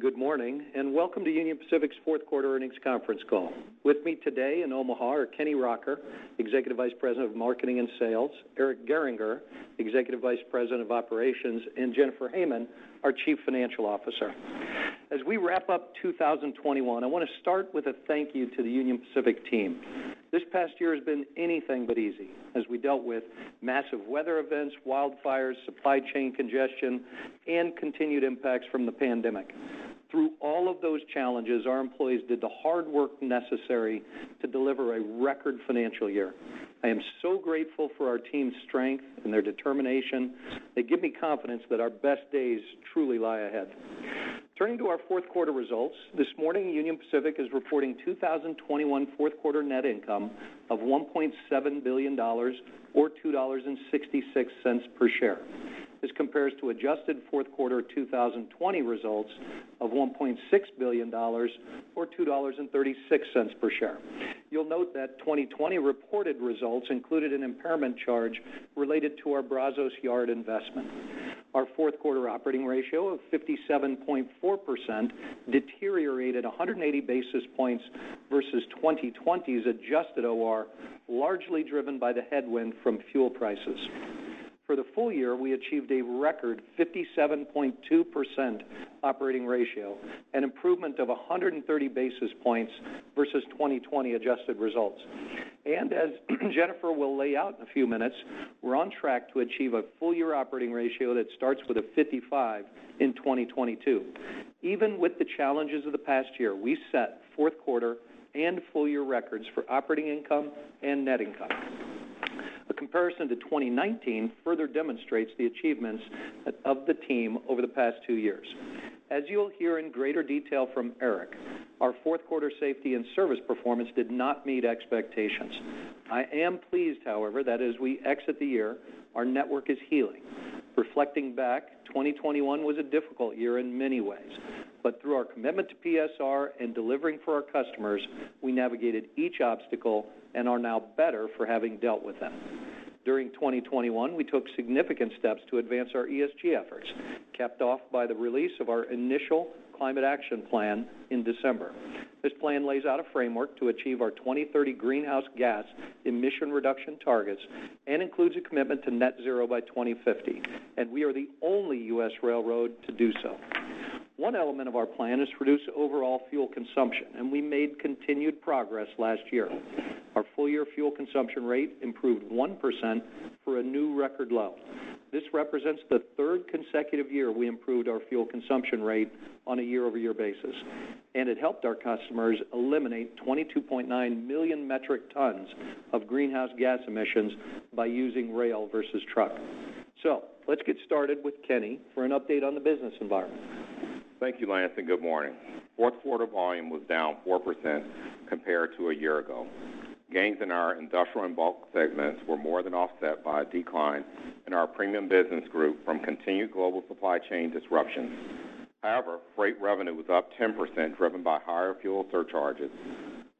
Good morning and welcome to Union Pacific's Q4 earnings conference call. With me today in Omaha are Kenny Rocker, Executive Vice President of Marketing and Sales, Eric Gehringer, Executive Vice President of Operations, and Jennifer Hamann, our Chief Financial Officer. As we wrap up 2021, I want to start with a thank you to the Union Pacific team. This past year has been anything but easy as we dealt with massive weather events, wildfires, supply chain congestion, and continued impacts from the pandemic. Through all of those challenges, our employees did the hard work necessary to deliver a record financial year. I am so grateful for our team's strength and their determination. They give me confidence that our best days truly lie ahead. Turning to our Q4 results, this morning, Union Pacific is reporting 2021 Q4 net income of $1.7 billion or $2.66 per share. This compares to adjusted Q4 2020 results of $1.6 billion or $2.36 per share. You'll note that 2020 reported results included an impairment charge related to our Brazos Yard investment. Our Q4 operating ratio of 57.4% deteriorated 180 basis points versus 2020's adjusted OR, largely driven by the headwind from fuel prices. For the full year, we achieved a record 57.2% operating ratio, an improvement of 130 basis points versus 2020 adjusted results. As Jennifer will lay out in a few minutes, we're on track to achieve a full-year operating ratio in the 55% range in 2022. Even with the challenges of the past year, we set Q4 and full year records for operating income and net income. A comparison to 2019 further demonstrates the achievements of the team over the past two years. As you'll hear in greater detail from Eric, our Q4 safety and service performance did not meet expectations. I am pleased, however, that as we exit the year, our network is healing. Reflecting back, 2021 was a difficult year but through our commitment to PSR and delivering for our customers, we navigated each obstacle and are now better for having dealt with them. During 2021, we took significant steps to advance our ESG efforts, capped off by the release of our initial climate action plan in December. This plan lays out a framework to achieve our 2030 greenhouse gas emission reduction targets and includes a commitment to net zero by 2050, and we are the only U.S. railroad to do so. One element of our plan is to reduce overall fuel consumption, and we made continued progress last year. Our full year fuel consumption rate improved 1% for a new record low. This represents the third consecutive year we improved our fuel consumption rate on a year-over-year basis, and it helped our customers eliminate 22.9 million metric tons of greenhouse gas emissions by using rail versus truck. Let's get started with Kenny for an update on the business environment. Thank you, Lance, and good morning. Q4 volume was down 4% compared to a year ago. Gains in our industrial and bulk segments were more than offset by a decline in our premium business group from continued global supply chain disruptions. However, freight revenue was up 10%, driven by higher fuel surcharges,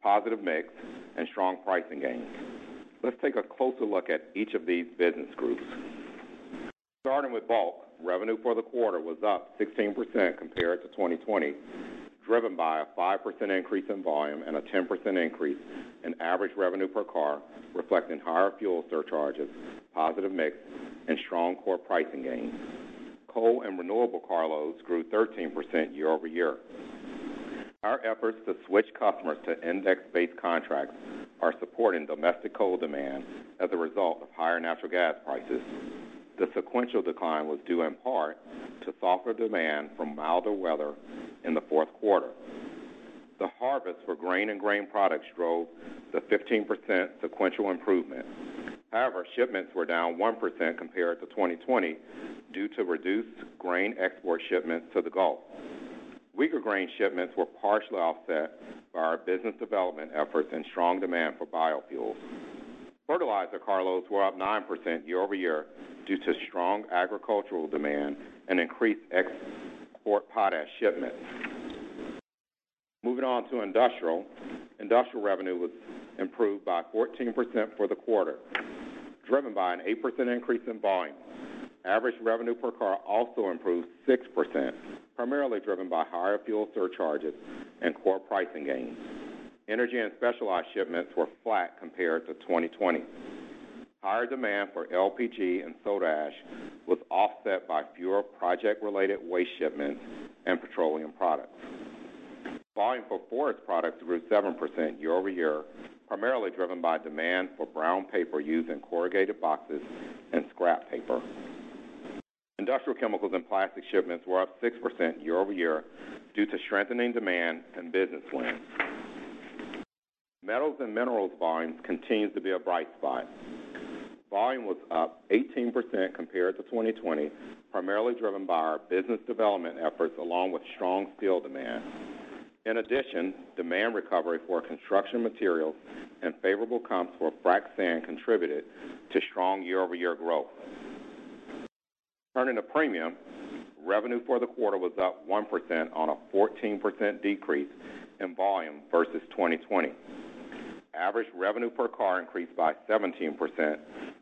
positive mix, and strong pricing gains. Let's take a closer look at each of these business groups. Starting with bulk, revenue for the quarter was up 16% compared to 2020, driven by a 5% increase in volume and a 10% increase in average revenue per car, reflecting higher fuel surcharges, positive mix, and strong core pricing gains. Coal and renewable carloads grew 13% year-over-year. Our efforts to switch customers to index-based contracts are supporting domestic coal demand as a result of higher natural gas prices. The sequential decline was due in part to softer demand from milder weather in the Q4. The harvest for grain and grain products drove the 15% sequential improvement. However, shipments were down 1% compared to 2020 due to reduced grain export shipments to the Gulf. Weaker grain shipments were partially offset by our business development efforts and strong demand for biofuels. Fertilizer carloads were up 9% year-over-year due to strong agricultural demand and increased export potash shipments. Moving on to Industrial. Industrial revenue was improved by 14% for the quarter, driven by an 8% increase in volume. Average revenue per car also improved 6%, primarily driven by higher fuel surcharges and core pricing gains. Energy and specialized shipments were flat compared to 2020. Higher demand for LPG and soda ash was offset by fewer project-related waste shipments and petroleum products. Volume for forest products grew 7% year-over-year, primarily driven by demand for brown paper used in corrugated boxes and scrap paper. Industrial chemicals and plastic shipments were up 6% year-over-year due to strengthening demand and business wins. Metals and minerals volume continues to be a bright spot. Volume was up 18% compared to 2020, primarily driven by our business development efforts along with strong steel demand. In addition, demand recovery for construction materials and favorable comps for frac sand contributed to strong year-over-year growth. Turning to premium, revenue for the quarter was up 1% on a 14% decrease in volume versus 2020. Average revenue per car increased by 17%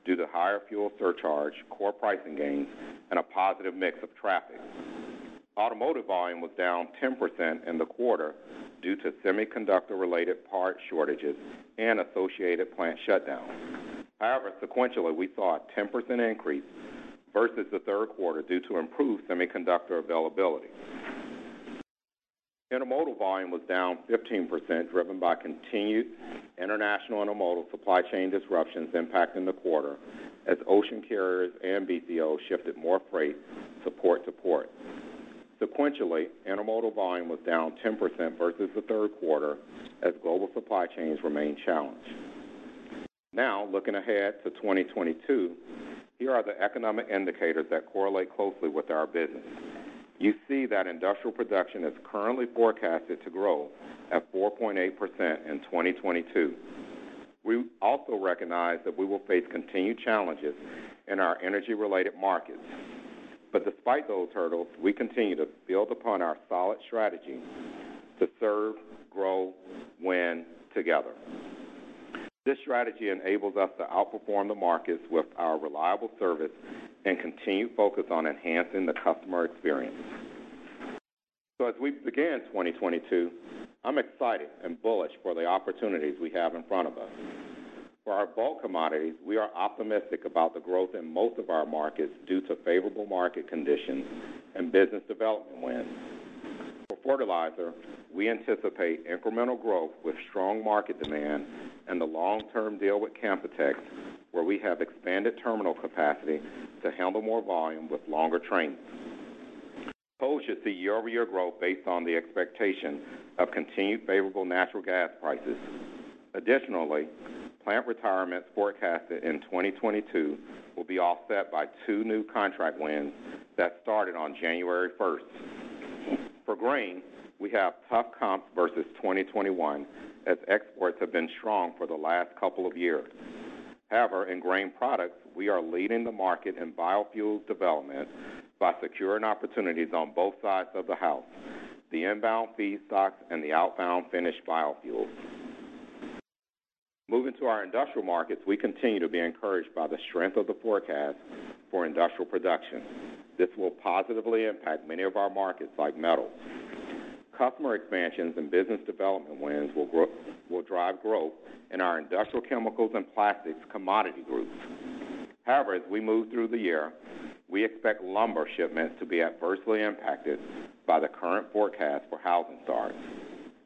due to higher fuel surcharge, core pricing gains, and a positive mix of traffic. Automotive volume was down 10% in the quarter due to semiconductor-related part shortages and associated plant shutdowns. However, sequentially, we saw a 10% increase versus the Q3 due to improved semiconductor availability. Intermodal volume was down 15%, driven by continued international intermodal supply chain disruptions impacting the quarter as ocean carriers and BCOs shifted more freight to ports. Sequentially, intermodal volume was down 10% versus the Q3 as global supply chains remain challenged. Now, looking ahead to 2022, here are the economic indicators that correlate closely with our business. You see that industrial production is currently forecasted to grow at 4.8% in 2022. We also recognize that we will face continued challenges in our energy-related markets. Despite those hurdles, we continue to build upon our solid strategy to serve, grow, win together. This strategy enables us to outperform the markets with our reliable service and continued focus on enhancing the customer experience. As we begin 2022, I'm excited and bullish for the opportunities we have in front of us. For our bulk commodities, we are optimistic about the growth in most of our markets due to favorable market conditions and business development wins. For fertilizer, we anticipate incremental growth with strong market demand and the long-term deal with Canpotex, where we have expanded terminal capacity to handle more volume with longer trains. Coal should see year-over-year growth based on the expectation of continued favorable natural gas prices. Additionally, plant retirements forecasted in 2022 will be offset by two new contract wins that started on January 1. For grain, we have tough comps versus 2021 as exports have been strong for the last couple of years. However, in grain products, we are leading the market in biofuels development by securing opportunities on both sides of the house, the inbound feedstocks and the outbound finished biofuels. Moving to our industrial markets, we continue to be encouraged by the strength of the forecast for industrial production. This will positively impact many of our markets like metal. Customer expansions and business development wins will drive growth in our industrial chemicals and plastics commodity groups. However, as we move through the year, we expect lumber shipments to be adversely impacted by the current forecast for housing starts.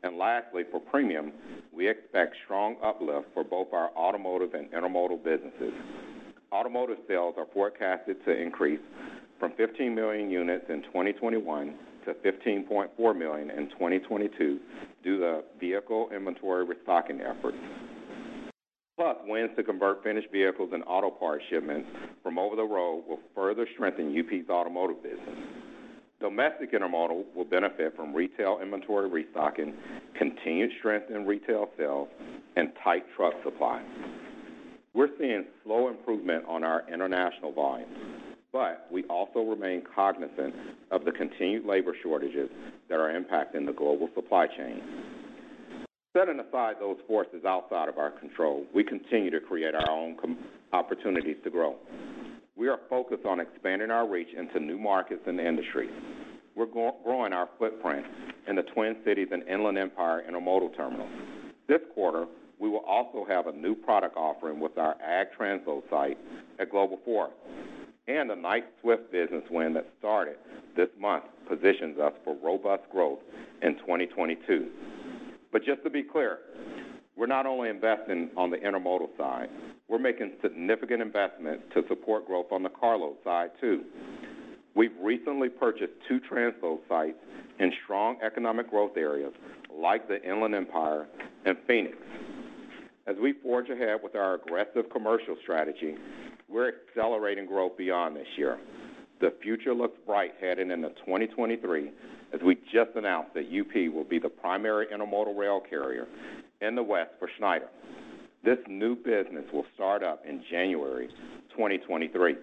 Lastly, for premium, we expect strong uplift for both our automotive and intermodal businesses. Automotive sales are forecasted to increase from 15 million units in 2021 to 15.4 million in 2022 due to vehicle inventory restocking efforts. Plus, wins to convert finished vehicles and auto parts shipments from over the road will further strengthen UP's automotive business. Domestic intermodal will benefit from retail inventory restocking, continued strength in retail sales, and tight truck supply. We're seeing slow improvement on our international volumes, but we also remain cognizant of the continued labor shortages that are impacting the global supply chain. Setting aside those forces outside of our control, we continue to create our own opportunities to grow. We are focused on expanding our reach into new markets and industries. We're growing our footprint in the Twin Cities and Inland Empire Intermodal Terminal. This quarter, we will also have a new product offering with our Ag Transload site at Global IV. The Knight-Swift business win that started this month positions us for robust growth in 2022. Just to be clear, we're not only investing on the intermodal side, we're making significant investment to support growth on the carload side too. We've recently purchased two transload sites in strong economic growth areas like the Inland Empire and Phoenix. As we forge ahead with our aggressive commercial strategy, we're accelerating growth beyond this year. The future looks bright heading into 2023, as we just announced that UP will be the primary intermodal rail carrier in the West for Schneider. This new business will start up in January 2023.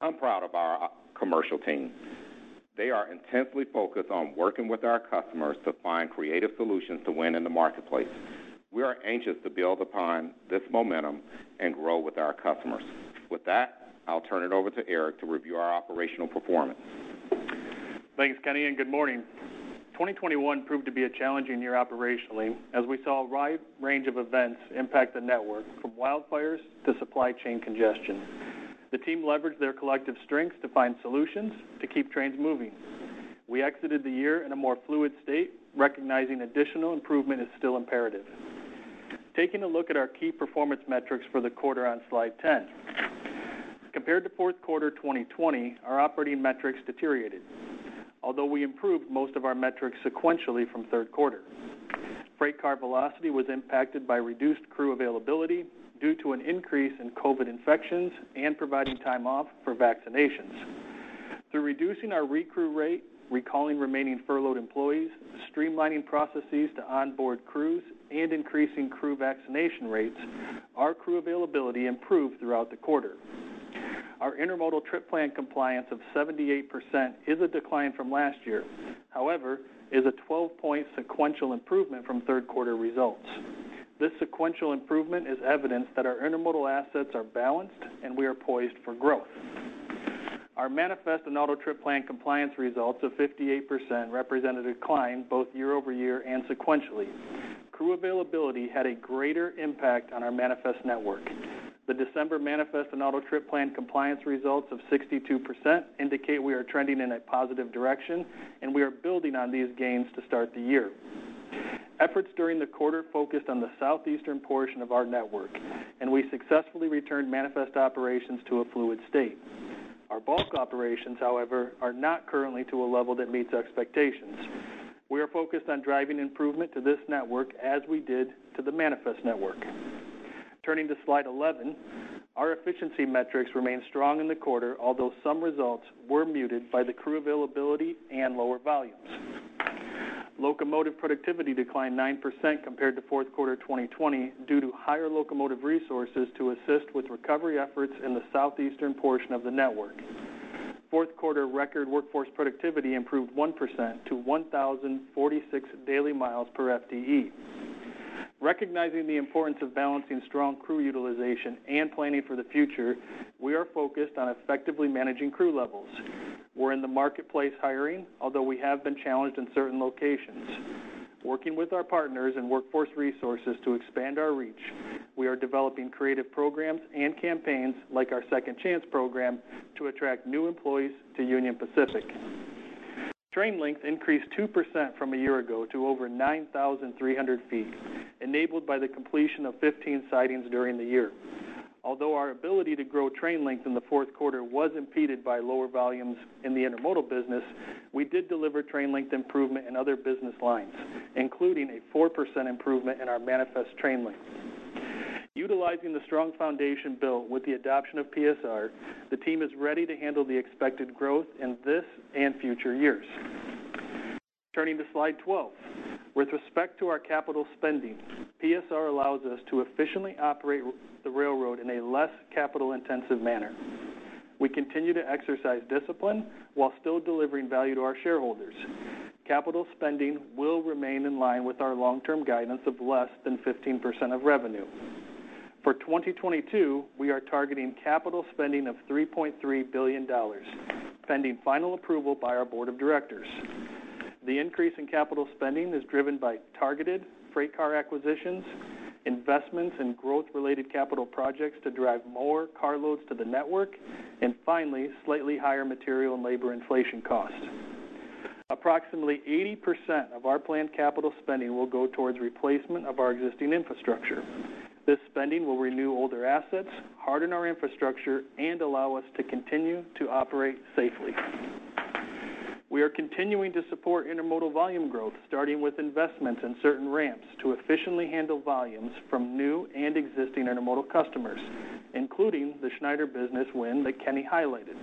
I'm proud of our commercial team. They are intensely focused on working with our customers to find creative solutions to win in the marketplace. We are anxious to build upon this momentum and grow with our customers. With that, I'll turn it over to Eric to review our operational performance. Thanks, Kenny, and good morning. 2021 proved to be a challenging year operationally, as we saw a wide range of events impact the network, from wildfires to supply chain congestion. The team leveraged their collective strengths to find solutions to keep trains moving. We exited the year in a more fluid state, recognizing additional improvement is still imperative. Taking a look at our key performance metrics for the quarter on Slide 10. Compared to Q4 2020, our operating metrics deteriorated, although we improved most of our metrics sequentially from Q3. Freight car velocity was impacted by reduced crew availability due to an increase in COVID infections and providing time off for vaccinations. Through reducing our recrew rate, recalling remaining furloughed employees, streamlining processes to onboard crews, and increasing crew vaccination rates, our crew availability improved throughout the quarter. Our intermodal trip plan compliance of 78% is a decline from last year. However, it is a 12-point sequential improvement from Q3 results. This sequential improvement is evidence that our intermodal assets are balanced and we are poised for growth. Our manifest and auto trip plan compliance results of 58% represent a decline both year-over-year and sequentially. Crew availability had a greater impact on our manifest network. The December manifest and auto trip plan compliance results of 62% indicate we are trending in a positive direction, and we are building on these gains to start the year. Efforts during the quarter focused on the southeastern portion of our network, and we successfully returned manifest operations to a fluid state. Our bulk operations, however, are not currently to a level that meets expectations. We are focused on driving improvement to this network as we did to the manifest network. Turning to Slide 11, our efficiency metrics remain strong in the quarter, although some results were muted by the crew availability and lower volumes. Locomotive productivity declined 9% compared to Q4 2020 due to higher locomotive resources to assist with recovery efforts in the southeastern portion of the network. Q4 record workforce productivity improved 1% to 1,046 daily miles per FTE. Recognizing the importance of balancing strong crew utilization and planning for the future, we are focused on effectively managing crew levels. We're in the marketplace hiring, although we have been challenged in certain locations. Working with our partners in workforce resources to expand our reach, we are developing creative programs and campaigns, like our Second Chance program, to attract new employees to Union Pacific. Train length increased 2% from a year ago to over 9,300 feet, enabled by the completion of 15 sidings during the year. Although our ability to grow train length in the Q4 was impeded by lower volumes in the intermodal business, we did deliver train length improvement in other business lines, including a 4% improvement in our manifest train length. Utilizing the strong foundation built with the adoption of PSR, the team is ready to handle the expected growth in this and future years. Turning to Slide 12. With respect to our capital spending, PSR allows us to efficiently operate the railroad in a less capital-intensive manner. We continue to exercise discipline while still delivering value to our shareholders. Capital spending will remain in line with our long-term guidance of less than 15% of revenue. For 2022, we are targeting capital spending of $3.3 billion, pending final approval by our board of directors. The increase in capital spending is driven by targeted freight car acquisitions, investments in growth-related capital projects to drive more carloads to the network, and finally, slightly higher material and labor inflation costs. Approximately 80% of our planned capital spending will go towards replacement of our existing infrastructure. This spending will renew older assets, harden our infrastructure, and allow us to continue to operate safely. We are continuing to support intermodal volume growth, starting with investments in certain ramps to efficiently handle volumes from new and existing intermodal customers, including the Schneider business win that Kenny highlighted.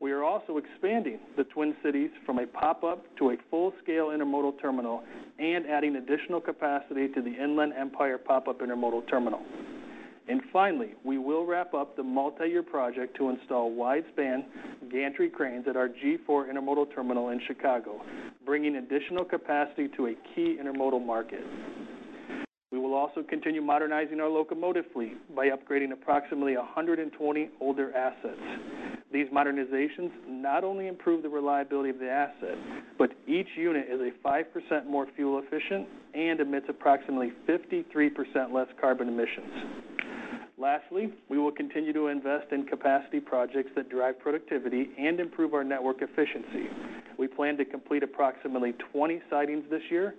We are also expanding the Twin Cities from a pop-up to a full-scale intermodal terminal and adding additional capacity to the Inland Empire pop-up intermodal terminal. Finally, we will wrap up the multiyear project to install wide-span gantry cranes at our G4 intermodal terminal in Chicago, bringing additional capacity to a key intermodal market. We will also continue modernizing our locomotive fleet by upgrading approximately 120 older assets. These modernizations not only improve the reliability of the asset, but each unit is 5% more fuel efficient and emits approximately 53% less carbon emissions. Lastly, we will continue to invest in capacity projects that drive productivity and improve our network efficiency. We plan to complete approximately 20 sidings this year,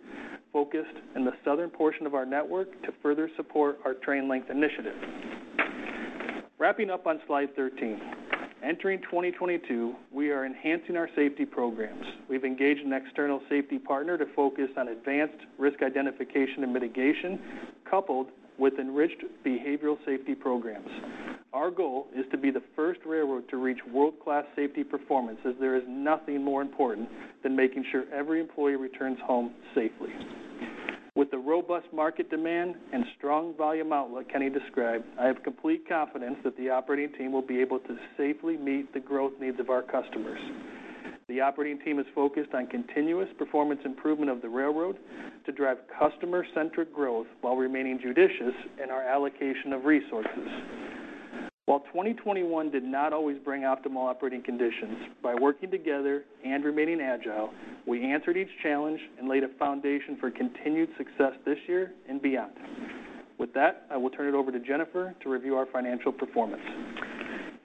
focused in the southern portion of our network to further support our train length initiative. Wrapping up on Slide 13, entering 2022. We are enhancing our safety programs. We've engaged an external safety partner to focus on advanced risk identification and mitigation, coupled with enriched behavioral safety programs. Our goal is to be the first railroad to reach world-class safety performance, as there is nothing more important than making sure every employee returns home safely. With the robust market demand and strong volume outlook Kenny described, I have complete confidence that the operating team will be able to safely meet the growth needs of our customers. The operating team is focused on continuous performance improvement of the railroad to drive customer-centric growth while remaining judicious in our allocation of resources. While 2021 did not always bring optimal operating conditions, by working together and remaining agile, we answered each challenge and laid a foundation for continued success this year and beyond. With that, I will turn it over to Jennifer to review our financial performance.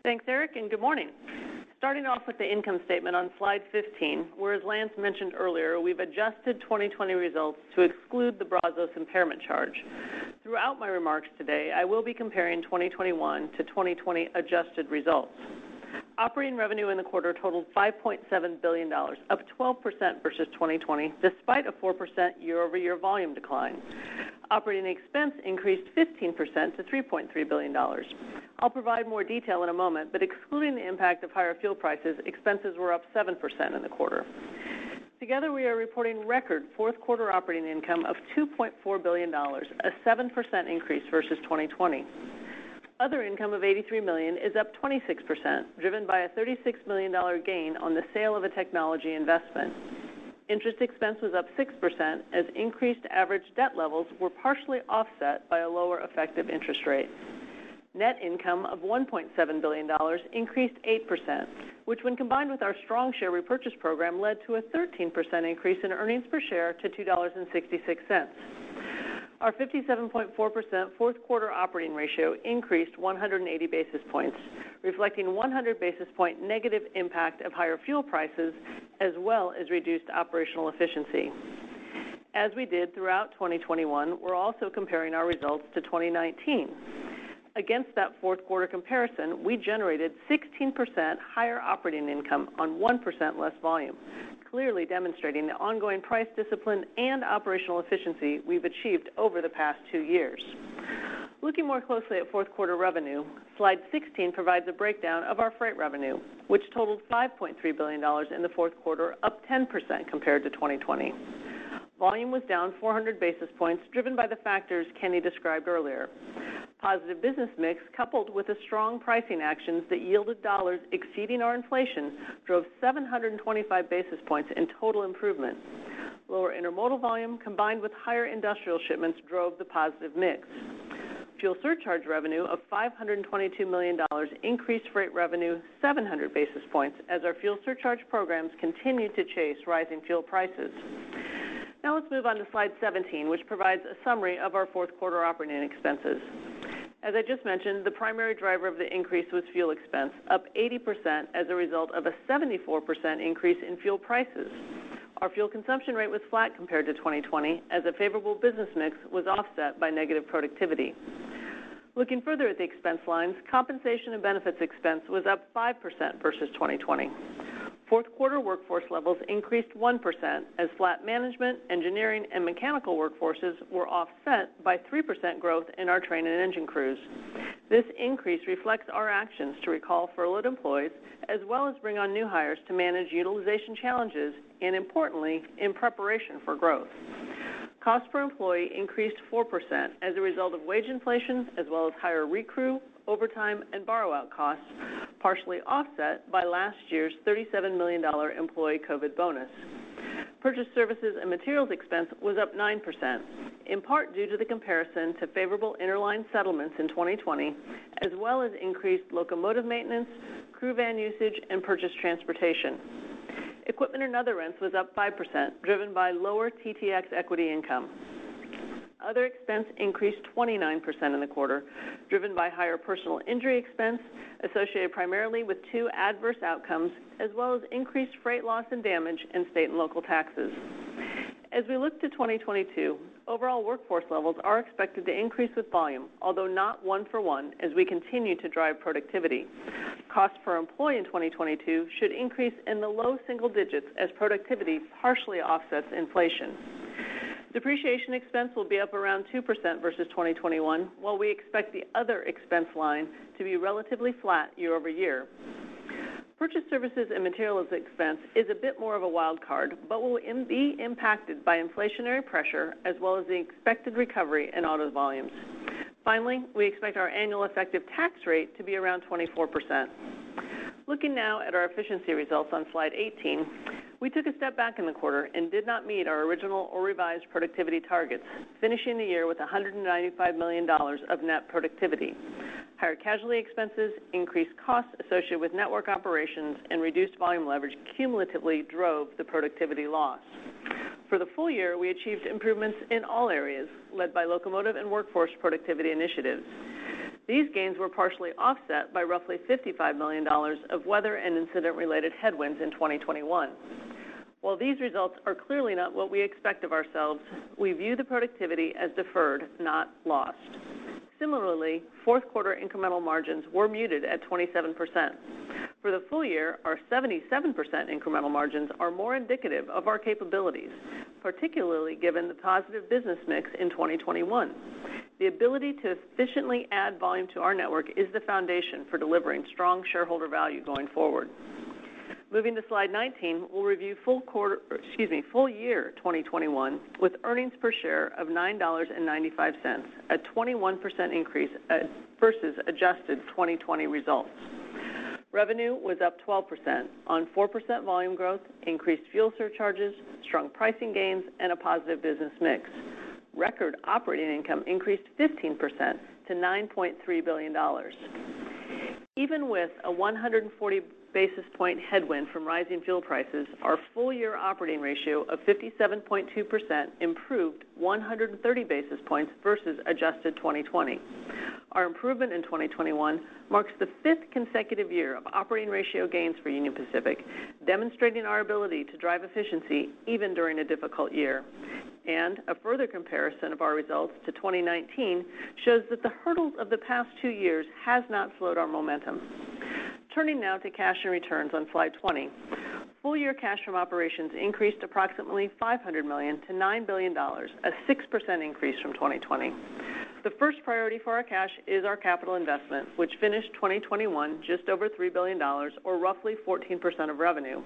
Thanks, Eric, and good morning. Starting off with the income statement on slide 15, where as Lance mentioned earlier, we've adjusted 2020 results to exclude the Brazos impairment charge. Throughout my remarks today, I will be comparing 2021 to 2020 adjusted results. Operating revenue in the quarter totaled $5.7 billion, up 12% versus 2020 despite a 4% year-over-year volume decline. Operating expense increased 15% to $3.3 billion. I'll provide more detail in a moment, but excluding the impact of higher fuel prices, expenses were up 7% in the quarter. Together, we are reporting record Q4 operating income of $2.4 billion, a 7% increase versus 2020. Other income of $83 million is up 26%, driven by a $36 million gain on the sale of a technology investment. Interest expense was up 6% as increased average debt levels were partially offset by a lower effective interest rate. Net income of $1.7 billion increased 8%, which when combined with our strong share repurchase program, led to a 13% increase in earnings per share to $2.66. Our 57.4% Q4 operating ratio increased 180 basis points, reflecting 100 basis point negative impact of higher fuel prices as well as reduced operational efficiency. As we did throughout 2021, we're also comparing our results to 2019. Against that Q4 comparison, we generated 16% higher operating income on 1% less volume, clearly demonstrating the ongoing price discipline and operational efficiency we've achieved over the past two years. Looking more closely at Q4 revenue, slide 16 provides a breakdown of our freight revenue, which totaled $5.3 billion in the Q4, up 10% compared to 2020. Volume was down 400 basis points, driven by the factors Kenny described earlier. Positive business mix, coupled with the strong pricing actions that yielded dollars exceeding our inflation, drove 725 basis points in total improvement. Lower intermodal volume combined with higher industrial shipments drove the positive mix. Fuel surcharge revenue of $522 million increased freight revenue 700 basis points as our fuel surcharge programs continued to chase rising fuel prices. Now let's move on to slide 17, which provides a summary of our Q4 operating expenses. As I just mentioned, the primary driver of the increase was fuel expense, up 80% as a result of a 74% increase in fuel prices. Our fuel consumption rate was flat compared to 2020 as a favorable business mix was offset by negative productivity. Looking further at the expense lines, compensation and benefits expense was up 5% versus 2020. Q4 workforce levels increased 1% as flat management, engineering, and mechanical workforces were offset by 3% growth in our train and engine crews. This increase reflects our actions to recall furloughed employees, as well as bring on new hires to manage utilization challenges, and importantly, in preparation for growth. Cost per employee increased 4% as a result of wage inflation, as well as higher recrew, overtime, and borrow out costs, partially offset by last year's $37 million employee COVID bonus. Purchase services and materials expense was up 9%, in part due to the comparison to favorable interline settlements in 2020, as well as increased locomotive maintenance, crew van usage, and purchase transportation. Equipment and other rents was up 5%, driven by lower TTX equity income. Other expense increased 29% in the quarter, driven by higher personal injury expense associated primarily with two adverse outcomes, as well as increased freight loss and damage in state and local taxes. As we look to 2022, overall workforce levels are expected to increase with volume, although not one-for-one, as we continue to drive productivity. Cost per employee in 2022 should increase in the low single digits as productivity partially offsets inflation. Depreciation expense will be up around 2% versus 2021, while we expect the other expense line to be relatively flat year over year. Purchase services and materials expense is a bit more of a wild card, but will be impacted by inflationary pressure as well as the expected recovery in auto volumes. Finally, we expect our annual effective tax rate to be around 24%. Looking now at our efficiency results on slide 18, we took a step back in the quarter and did not meet our original or revised productivity targets, finishing the year with $195 million of net productivity. Higher casualty expenses, increased costs associated with network operations, and reduced volume leverage cumulatively drove the productivity loss. For the full year, we achieved improvements in all areas, led by locomotive and workforce productivity initiatives. These gains were partially offset by roughly $55 million of weather and incident-related headwinds in 2021. While these results are clearly not what we expect of ourselves, we view the productivity as deferred, not lost. Similarly, Q4 incremental margins were muted at 27%. For the full year, our 77% incremental margins are more indicative of our capabilities, particularly given the positive business mix in 2021. The ability to efficiently add volume to our network is the foundation for delivering strong shareholder value going forward. Moving to slide 19, we'll review full year 2021 with earnings per share of $9.95, a 21% increase versus adjusted 2020 results. Revenue was up 12% on 4% volume growth, increased fuel surcharges, strong pricing gains, and a positive business mix. Record operating income increased 15% to $9.3 billion. Even with a 140 basis point headwind from rising fuel prices, our full year operating ratio of 57.2% improved 130 basis points versus adjusted 2020. Our improvement in 2021 marks the 5th consecutive year of operating ratio gains for Union Pacific, demonstrating our ability to drive efficiency even during a difficult year. A further comparison of our results to 2019 shows that the hurdles of the past two years has not slowed our momentum. Turning now to cash and returns on slide 20. Full year cash from operations increased approximately $500 million to $9 billion, a 6% increase from 2020. The first priority for our cash is our capital investment, which finished 2021 just over $3 billion, or roughly 14% of revenue.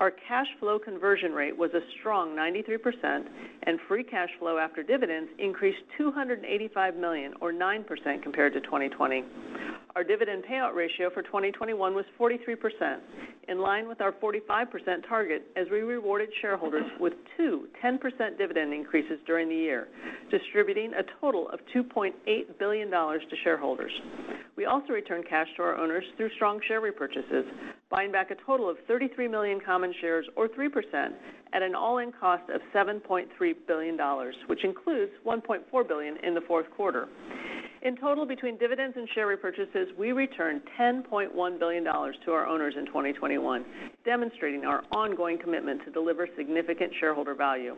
Our cash flow conversion rate was a strong 93%, and free cash flow after dividends increased $285 million, or 9% compared to 2020. Our dividend payout ratio for 2021 was 43%, in line with our 45% target as we rewarded shareholders with two 10% dividend increases during the year, distributing a total of $2.8 billion to shareholders. We also returned cash to our owners through strong share repurchases, buying back a total of 33 million common shares, or 3%, at an all-in cost of $7.3 billion, which includes $1.4 billion in the Q4. In total, between dividends and share repurchases, we returned $10.1 billion to our owners in 2021, demonstrating our ongoing commitment to deliver significant shareholder value.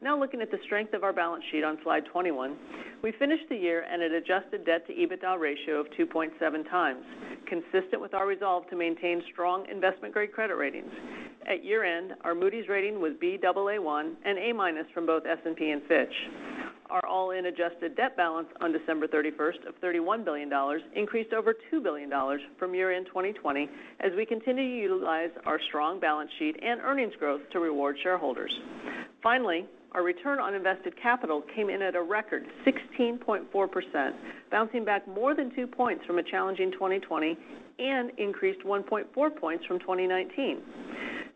Now looking at the strength of our balance sheet on slide 21, we finished the year at an adjusted debt-to-EBITDA ratio of 2.7 times, consistent with our resolve to maintain strong investment-grade credit ratings. At year-end, our Moody's rating was Baa1 and A- from both S&P and Fitch. Our all-in adjusted debt balance on December 31 of $31 billion increased over $2 billion from year-end 2020 as we continue to utilize our strong balance sheet and earnings growth to reward shareholders. Finally, our return on invested capital came in at a record 16.4%, bouncing back more than 2 points from a challenging 2020 and increased 1.4 points from 2019.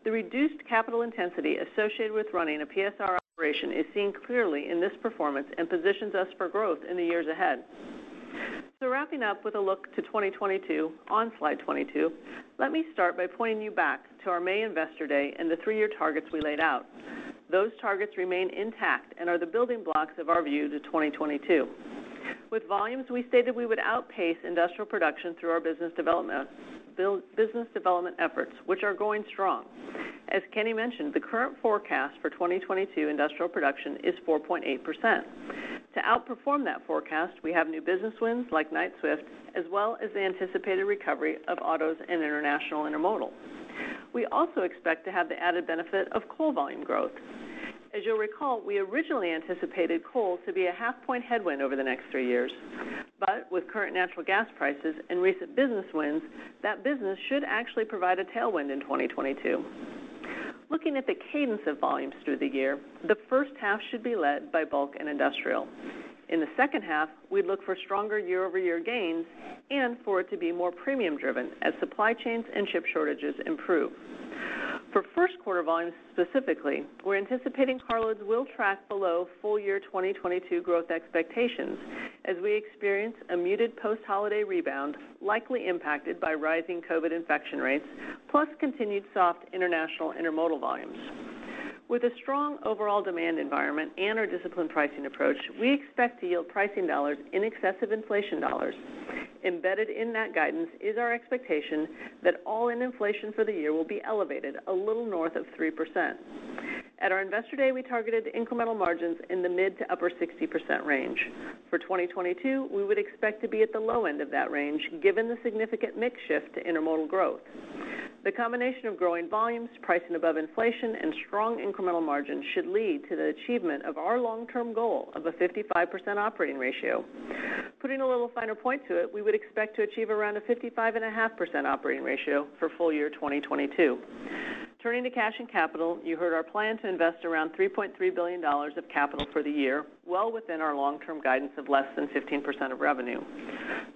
The reduced capital intensity associated with running a PSR operation is seen clearly in this performance and positions us for growth in the years ahead. Wrapping up with a look to 2022 on slide 22, let me start by pointing you back to our May Investor Day and the three-year targets we laid out. Those targets remain intact and are the building blocks of our view to 2022. With volumes, we stated we would outpace industrial production through our business development efforts, which are going strong. As Kenny mentioned, the current forecast for 2022 industrial production is 4.8%. To outperform that forecast, we have new business wins like Knight-Swift, as well as the anticipated recovery of autos and international intermodal. We also expect to have the added benefit of coal volume growth. As you'll recall, we originally anticipated coal to be a half-point headwind over the next three years. With current natural gas prices and recent business wins, that business should actually provide a tailwind in 2022. Looking at the cadence of volumes through the year, the first half should be led by bulk and industrial. In the second half, we look for stronger year-over-year gains and for it to be more premium-driven as supply chains and chip shortages improve. For Q1 volumes specifically, we're anticipating carloads will track below full year 2022 growth expectations as we experience a muted post-holiday rebound, likely impacted by rising COVID infection rates, plus continued soft international intermodal volumes. With a strong overall demand environment and our disciplined pricing approach, we expect to yield pricing dollars in excess of inflation dollars. Embedded in that guidance is our expectation that all-in inflation for the year will be elevated a little north of 3%. At our Investor Day, we targeted incremental margins in the mid- to upper-60% range. For 2022, we would expect to be at the low end of that range, given the significant mix shift to intermodal growth. The combination of growing volumes, pricing above inflation, and strong incremental margins should lead to the achievement of our long-term goal of a 55% operating ratio. Putting a little finer point to it, we would expect to achieve around a 55.5% operating ratio for full-year 2022. Turning to cash and capital, you heard our plan to invest around $3.3 billion of capital for the year, well within our long-term guidance of less than 15% of revenue.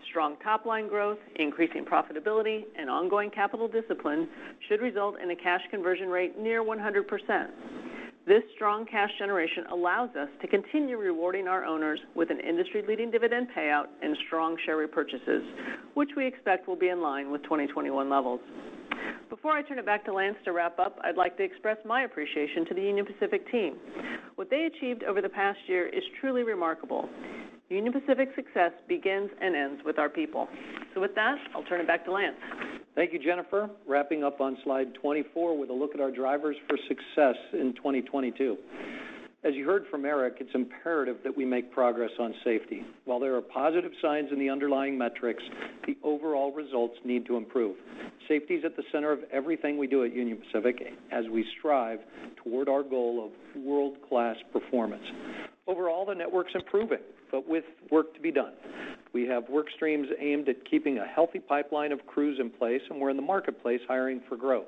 Strong top-line growth, increasing profitability, and ongoing capital discipline should result in a cash conversion rate near 100%. This strong cash generation allows us to continue rewarding our owners with an industry-leading dividend payout and strong share repurchases, which we expect will be in line with 2021 levels. Before I turn it back to Lance to wrap up, I'd like to express my appreciation to the Union Pacific team. What they achieved over the past year is truly remarkable. Union Pacific's success begins and ends with our people. With that, I'll turn it back to Lance. Thank you, Jennifer. Wrapping up on slide 24 with a look at our drivers for success in 2022. As you heard from Eric, it's imperative that we make progress on safety. While there are positive signs in the underlying metrics, the overall results need to improve. Safety is at the center of everything we do at Union Pacific as we strive toward our goal of world-class performance. Overall, the network's improving, but with work to be done. We have work streams aimed at keeping a healthy pipeline of crews in place, and we're in the marketplace hiring for growth.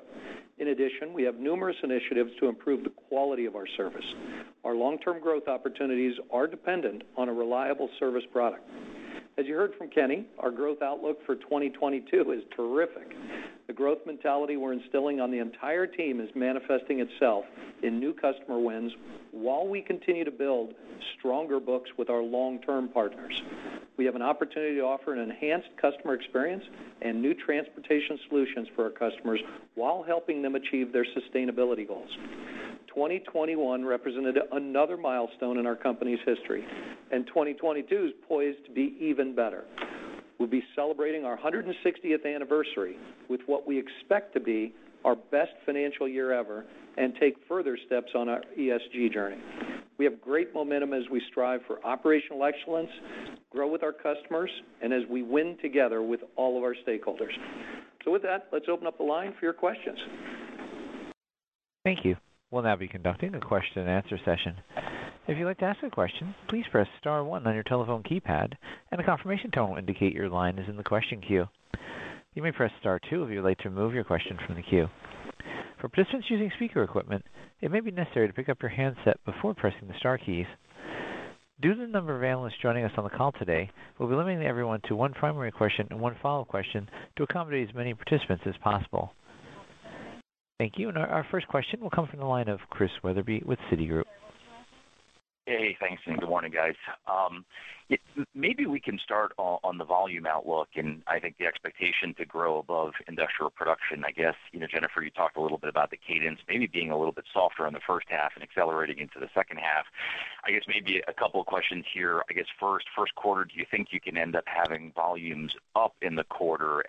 In addition, we have numerous initiatives to improve the quality of our service. Our long-term growth opportunities are dependent on a reliable service product. As you heard from Kenny, our growth outlook for 2022 is terrific. The growth mentality we're instilling on the entire team is manifesting itself in new customer wins while we continue to build stronger books with our long-term partners. We have an opportunity to offer an enhanced customer experience and new transportation solutions for our customers while helping them achieve their sustainability goals. 2021 represented another milestone in our company's history, and 2022 is poised to be even better. We'll be celebrating our 160th anniversary with what we expect to be our best financial year ever and take further steps on our ESG journey. We have great momentum as we strive for Operating Excellence, grow with our customers, and as we win together with all of our stakeholders. With that, let's open up the line for your questions. Hey, thanks, and good morning, guys. Maybe we can start on the volume outlook, and I think the expectation to grow above industrial production. I guess, you know, Jennifer, you talked a little bit about the cadence maybe being a little bit softer in the first half and accelerating into the second half. I guess maybe a couple of questions here. I guess Q1, do you think you can end up having volumes up in the quarter?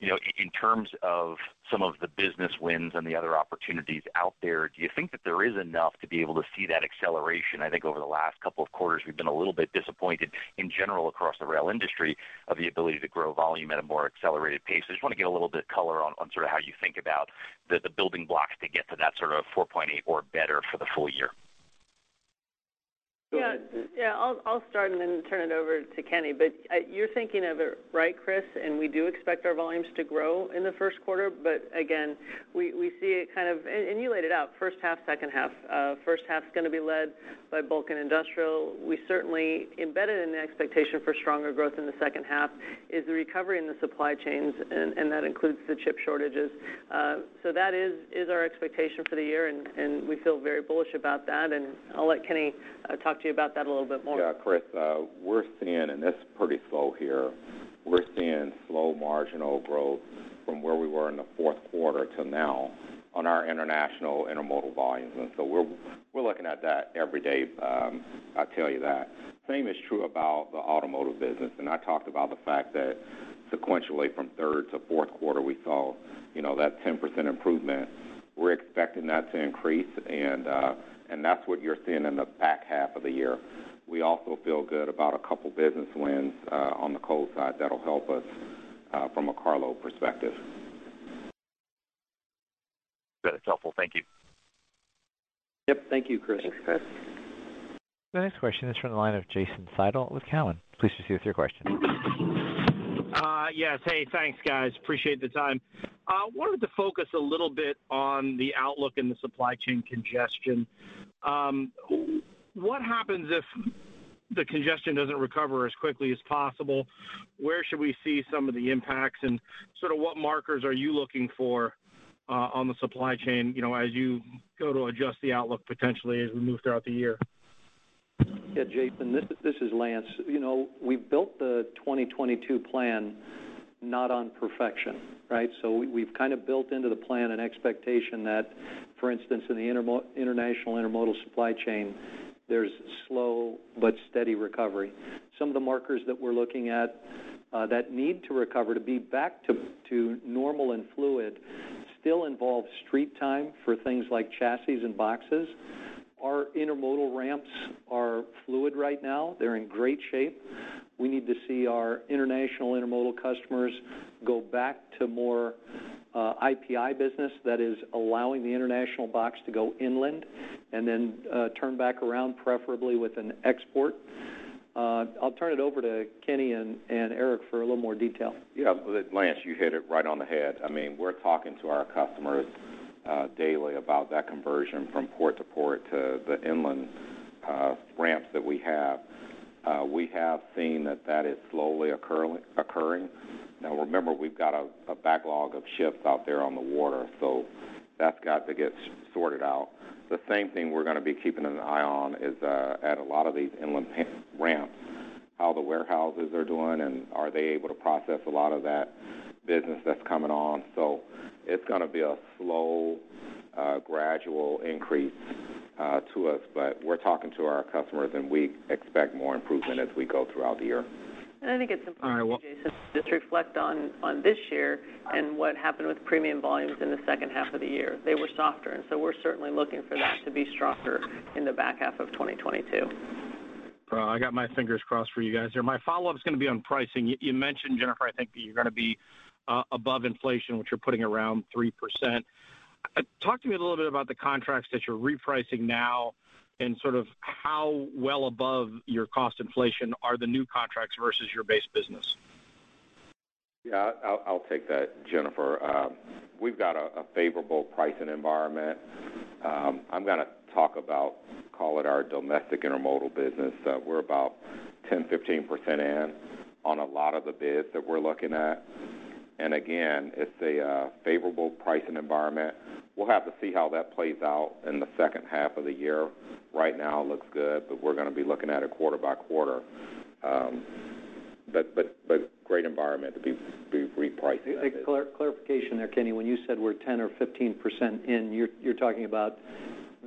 You know, in terms of some of the business wins and the other opportunities out there, do you think that there is enough to be able to see that acceleration? I think over the last couple of quarters, we've been a little bit disappointed in general across the rail industry of the ability to grow volume at a more accelerated pace. I just want to get a little bit color on sort of how you think about the building blocks to get to that sort of 4.8 or better for the full year. I'll start and then turn it over to Kenny. You're thinking of it right, Chris, and we do expect our volumes to grow in the Q1. Again, we see it, and you laid it out, first half, second half. First half is going to be led by bulk and industrial. We certainly embedded in the expectation for stronger growth in the second half is the recovery in the supply chains, and that includes the chip shortages. That is our expectation for the year, and we feel very bullish about that. I'll let Kenny talk to you about that a little bit more. Yeah, Chris, it's pretty slow here. We're seeing slow marginal growth from where we were in the Q4 to now on our international intermodal volumes. We're looking at that every day. I'll tell you that. Same is true about the automotive business, and I talked about the fact that sequentially from third to Q4, we saw that 10% improvement. We're expecting that to increase, and that's what you're seeing in the back half of the year. We also feel good about a couple of business wins on the coal side that'll help us from a carload perspective. That's helpful. Thank you. Yep. Thank you, Chris. Thanks, Chris. Yes. Hey, thanks, guys. Appreciate the time. Wanted to focus a little bit on the outlook in the supply chain congestion. What happens if the congestion doesn't recover as quickly as possible? Where should we see some of the impacts, and sort of what markers are you looking for, on the supply chain, you know, as you go to adjust the outlook potentially as we move throughout the year? Yeah, Jason, this is Lance. You know, we built the 2022 plan not on perfection, right? We've kind of built into the plan an expectation that, for instance, in the international intermodal supply chain, there's slow but steady recovery. Some of the markers that we're looking at that need to recover to be back to normal and fluid still involve street time for things like chassis and boxes. Our intermodal ramps are fluid right now. They're in great shape. We need to see our international intermodal customers go back to more IPI business that is allowing the international box to go inland and then turn back around, preferably with an export. I'll turn it over to Kenny and Eric for a little more detail. Yeah. Lance, you hit it right on the head. I mean, we're talking to our customers daily about that conversion from port to port to the inland ramps that we have. We have seen that is slowly occurring. Now remember, we've got a backlog of ships out there on the water, so that's got to get sorted out. The same thing we're going to be keeping an eye on is at a lot of these inland ramps, how the warehouses are doing, and are they able to process a lot of that business that's coming on? It's going to be a slow gradual increase to us. We're talking to our customers, and we expect more improvement as we go throughout the year. I think it's important, Jason, to just reflect on this year and what happened with premium volumes in the second half of the year. They were softer, and so we're certainly looking for that to be stronger in the back half of 2022. Well, I got my fingers crossed for you guys there. My follow-up is going to be on pricing. You mentioned, Jennifer, I think that you're going to be above inflation, which you're putting around 3%. Talk to me a little bit about the contracts that you're repricing now and sort of how well above your cost inflation are the new contracts versus your base business. Yeah, I'll take that, Jennifer. We've got a favorable pricing environment. I'm going to talk about, call it our domestic intermodal business. We're about 10%-15% in on a lot of the bids that we're looking at. Again, it's a favorable pricing environment. We'll have to see how that plays out in the second half of the year. Right now looks good, but we're going to be looking at it quarter by quarter. Great environment to be repricing. A clarification there, Kenny. When you said we're 10 or 15% in, you're talking about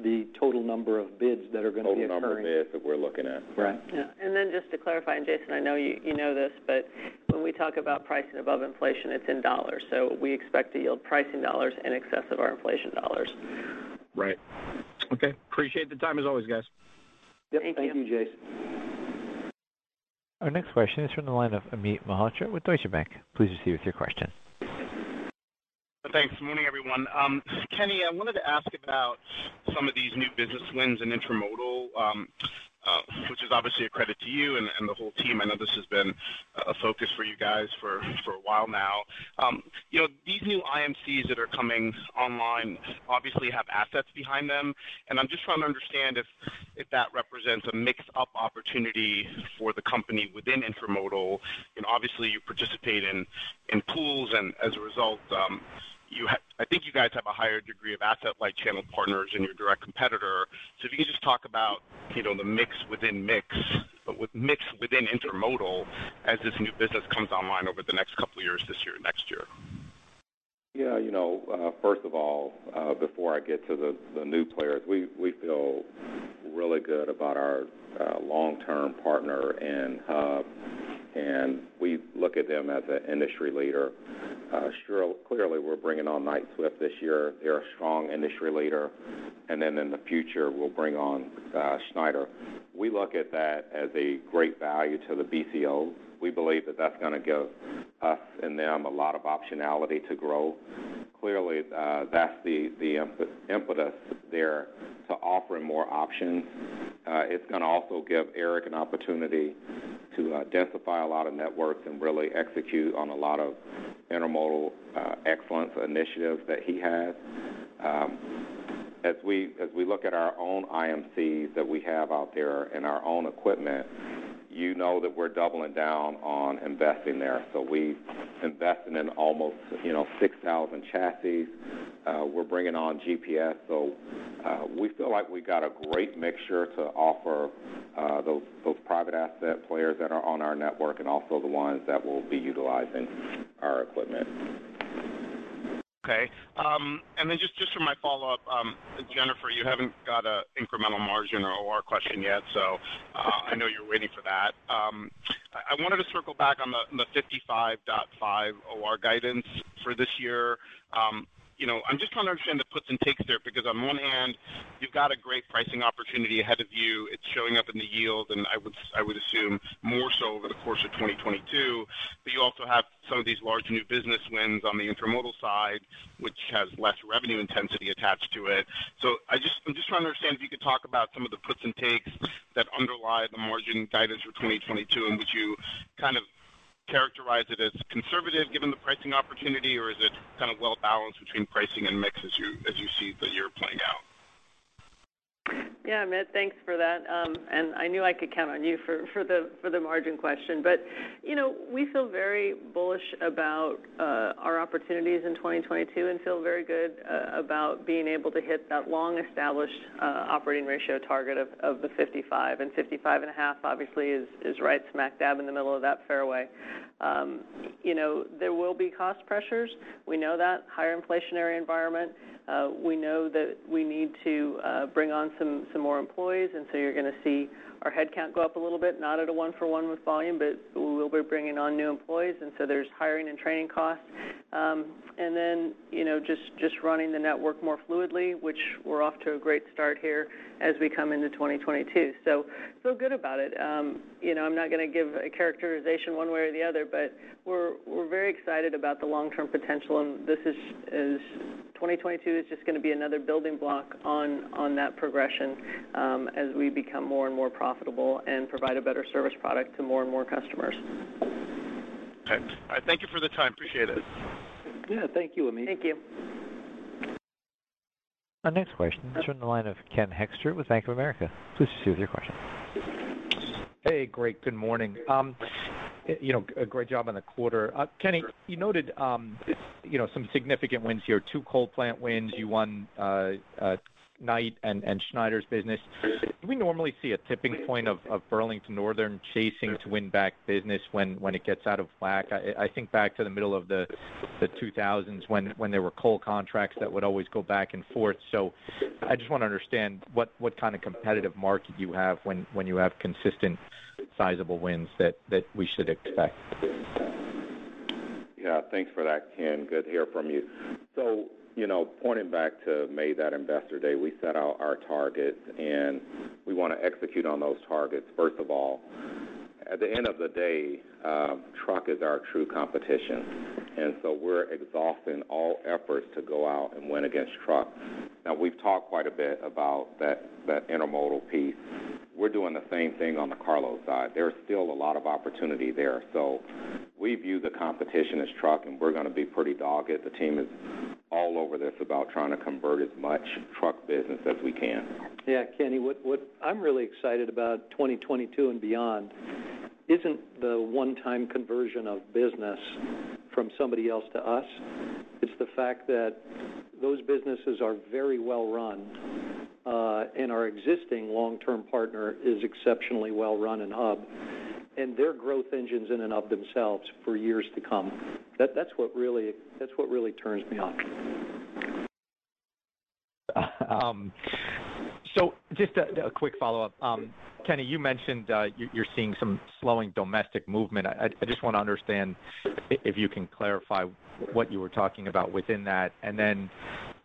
the total number of bids that are going to be occurring? Total number of bids that we're looking at. Right. Yeah. Just to clarify, Jason, I know you know this, but when we talk about pricing above inflation, it's in dollars. We expect to yield pricing dollars in excess of our inflation dollars. Right. Okay, I appreciate the time as always, guys. Thank you. Yep, thank you, Jason. Thanks. Good morning, everyone. Kenny, I wanted to ask about some of these new business wins in intermodal, which is obviously a credit to you and the whole team. I know this has been a focus for you guys for a while now. You know, these new IMCs that are coming online obviously have assets behind them, and I'm just trying to understand if that represents a mix opportunity for the company within intermodal. Obviously, you participate in pools and as a result, you have, I think you guys have a higher degree of asset-light channel partners than your direct competitor. If you could just talk about, you know, the mix within intermodal as this new business comes online over the next couple of years, this year, next year. Yeah, you know, first of all, before I get to the new players, we feel really good about our long-term partner in Hub, and we look at them as an industry leader. Sure, clearly we're bringing on Knight-Swift this year. They're a strong industry leader. In the future, we'll bring on Schneider. We look at that as a great value to the BCO. We believe that that's going to give us and them a lot of optionality to grow. Clearly, that's the impetus there to offering more options. It's going to also give Eric an opportunity to densify a lot of networks and really execute on a lot of Intermodal Excellence initiatives that he has. As we look at our own IMCs that we have out there and our own equipment, you know that we're doubling down on investing there. We investing in almost, you know, 6,000 chassis. We're bringing on GPS. We feel like we got a great mixture to offer those private asset players that are on our network and also the ones that will be utilizing our equipment. Okay. Just for my follow-up, Jennifer, you haven't got an incremental margin or OR question yet. I know you're waiting for that. I wanted to circle back on the 55.5 OR guidance for this year. You know, I'm just trying to understand the puts and takes there, because on one hand, you've got a great pricing opportunity ahead of you. It's showing up in the yield, and I would assume more so over the course of 2022. You also have some of these large new business wins on the intermodal side, which has less revenue intensity attached to it. I'm just trying to understand if you could talk about some of the puts and takes that underlie the margin guidance for 2022, and would you kind of characterize it as conservative given the pricing opportunity, or is it kind of well-balanced between pricing and mix as you see the year playing out? Yeah, Amit, thanks for that. I knew I could count on you for the margin question. You know, we feel very bullish about our opportunities in 2022 and feel very good about being able to hit that long-established operating ratio target of the 55%. 55.5% obviously is right smack dab in the middle of that fairway. You know, there will be cost pressures. We know that higher inflationary environment. We know that we need to bring on some more employees, and so you're going to see our headcount go up a little bit, not at a 1-for-1 with volume, but we will be bringing on new employees, and so there's hiring and training costs. You know, just running the network more fluidly, which we're off to a great start here as we come into 2022. Feel good about it. You know, I'm not going to give a characterization one way or the other, but we're very excited about the long-term potential, and 2022 is just going to be another building block on that progression, as we become more and more profitable and provide a better service product to more and more customers. Okay. All right, thank you for the time. Appreciate it. Yeah. Thank you, Amit. Thank you. Hey, great. Good morning. You know, a great job on the quarter. Kenny, you noted, you know, some significant wins here, two coal plant wins. You won Knight-Swift and Schneider's business. Do we normally see a tipping point of Burlington Northern chasing to win back business when it gets out of whack? I think back to the middle of the 2000s when there were coal contracts that would always go back and forth. I just want to understand what kind of competitive market you have when you have consistent sizable wins that we should expect. Yeah, thanks for that, Ken. Good to hear from you. You know, pointing back to May, that investor day, we set out our targets, and we want to execute on those targets, first of all. At the end of the day, truck is our true competition. We're exhausting all efforts to go out and win against truck. Now, we've talked quite a bit about that intermodal piece. We're doing the same thing on the carload side. There's still a lot of opportunity there. We view the competition as truck, and we're going to be pretty dogged. The team is all over this about trying to convert as much truck business as we can. Yeah, Kenny, what I'm really excited about 2022 and beyond isn't the one-time conversion of business from somebody else to us. It's the fact that those businesses are very well run, and our existing long-term partner is exceptionally well run in Hub, and their growth engines in and of themselves for years to come. That's what really turns me on. Just a quick follow-up. Kenny, you mentioned that you're seeing some slowing domestic movement. I just want to understand if you can clarify what you were talking about within that.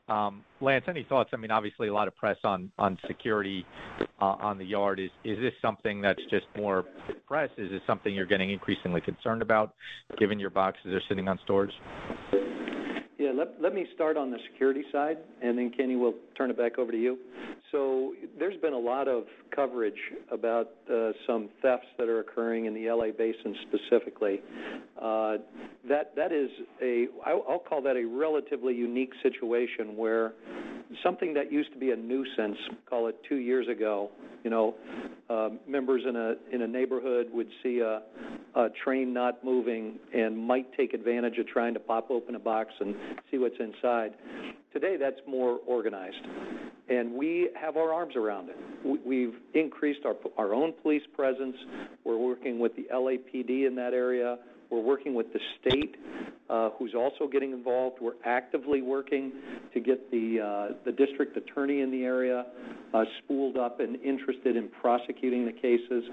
Lance, any thoughts? I mean, obviously, a lot of press on security on the yard. Is this something that's just more press? Is this something you're getting increasingly concerned about given your boxes are sitting in storage? Yeah, let me start on the security side, and then Kenny, we'll turn it back over to you. There's been a lot of coverage about some thefts that are occurring in the L.A. Basin, specifically. That is. I'll call that a relatively unique situation where something that used to be a nuisance, call it two years ago, you know, members in a neighborhood would see a train not moving and might take advantage of trying to pop open a box and see what's inside. Today, that's more organized, and we have our arms around it. We've increased our own police presence. We're working with the LAPD in that area. We're working with the state, who's also getting involved. We're actively working to get the district attorney in the area spooled up and interested in prosecuting the cases.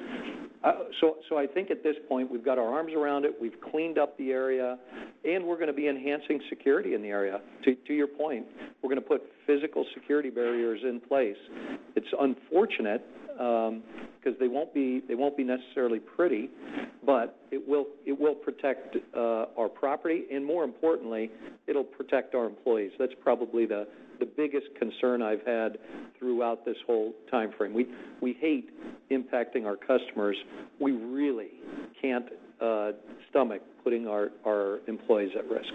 I think at this point, we've got our arms around it, we've cleaned up the area, and we're going to be enhancing security in the area. To your point, we're going to put physical security barriers in place. It's unfortunate, 'cause they won't be necessarily pretty, but it will protect our property, and more importantly, it'll protect our employees. That's probably the biggest concern I've had throughout this whole timeframe. We hate impacting our customers. We really can't stomach putting our employees at risk.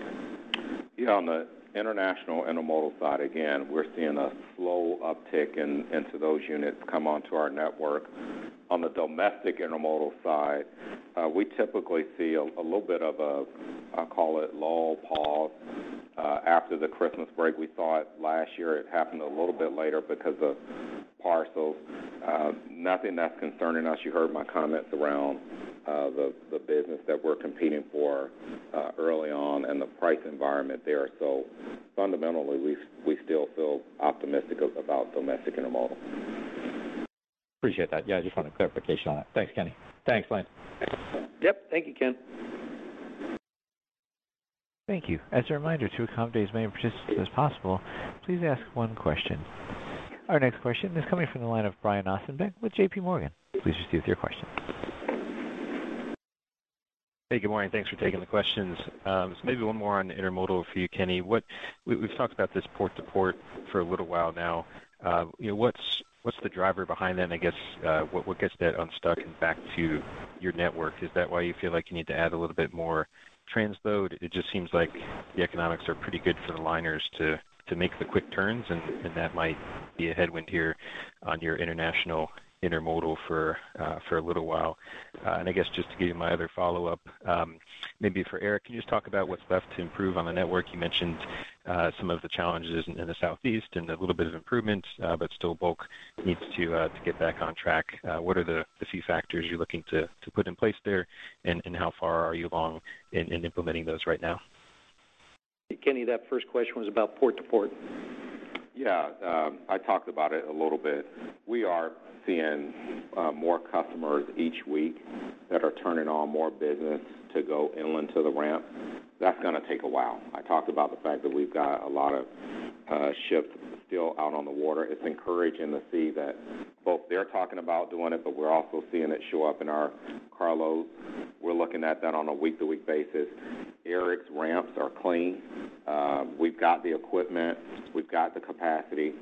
Yeah, on the international intermodal side, again, we're seeing a slow uptick in units coming onto our network. On the domestic intermodal side, we typically see a little bit of a, I'll call it lull, pause, after the Christmas break. We saw it last year. It happened a little bit later because of parcels. Nothing that's concerning us. You heard my comments around the business that we're competing for early on and the price environment there. Fundamentally, we still feel optimistic about domestic intermodal. appreciate that. Yeah, I just wanted clarification on it. Thanks, Kenny. Thanks, Lance. Yep. Thank you, Ken. Hey, good morning. Thanks for taking the questions. So maybe one more on intermodal for you, Kenny. We've talked about this port-to-port for a little while now. You know, what's the driver behind that, I guess, what gets that unstuck and back to your network? Is that why you feel like you need to add a little bit more transload? It just seems like the economics are pretty good for the liners to make the quick turns, and that might be a headwind here on your international intermodal for a little while. I guess just to give you my other follow-up, maybe for Eric, can you just talk about what's left to improve on the network? You mentioned some of the challenges in the Southeast and a little bit of improvement, but still bulk needs to get back on track. What are the few factors you're looking to put in place there? And how far are you along in implementing those right now? Kenny, that first question was about port-to-port. Yeah. I talked about it a little bit. We are seeing more customers each week that are turning on more business to go inland to the ramp. That's going to take a while. I talked about the fact that we've got a lot of ships still out on the water. It's encouraging to see that both they're talking about doing it, but we're also seeing it show up in our carload. We're looking at that on a week-to-week basis. Eric's ramps are clean. We've got the equipment. We've got the capacity.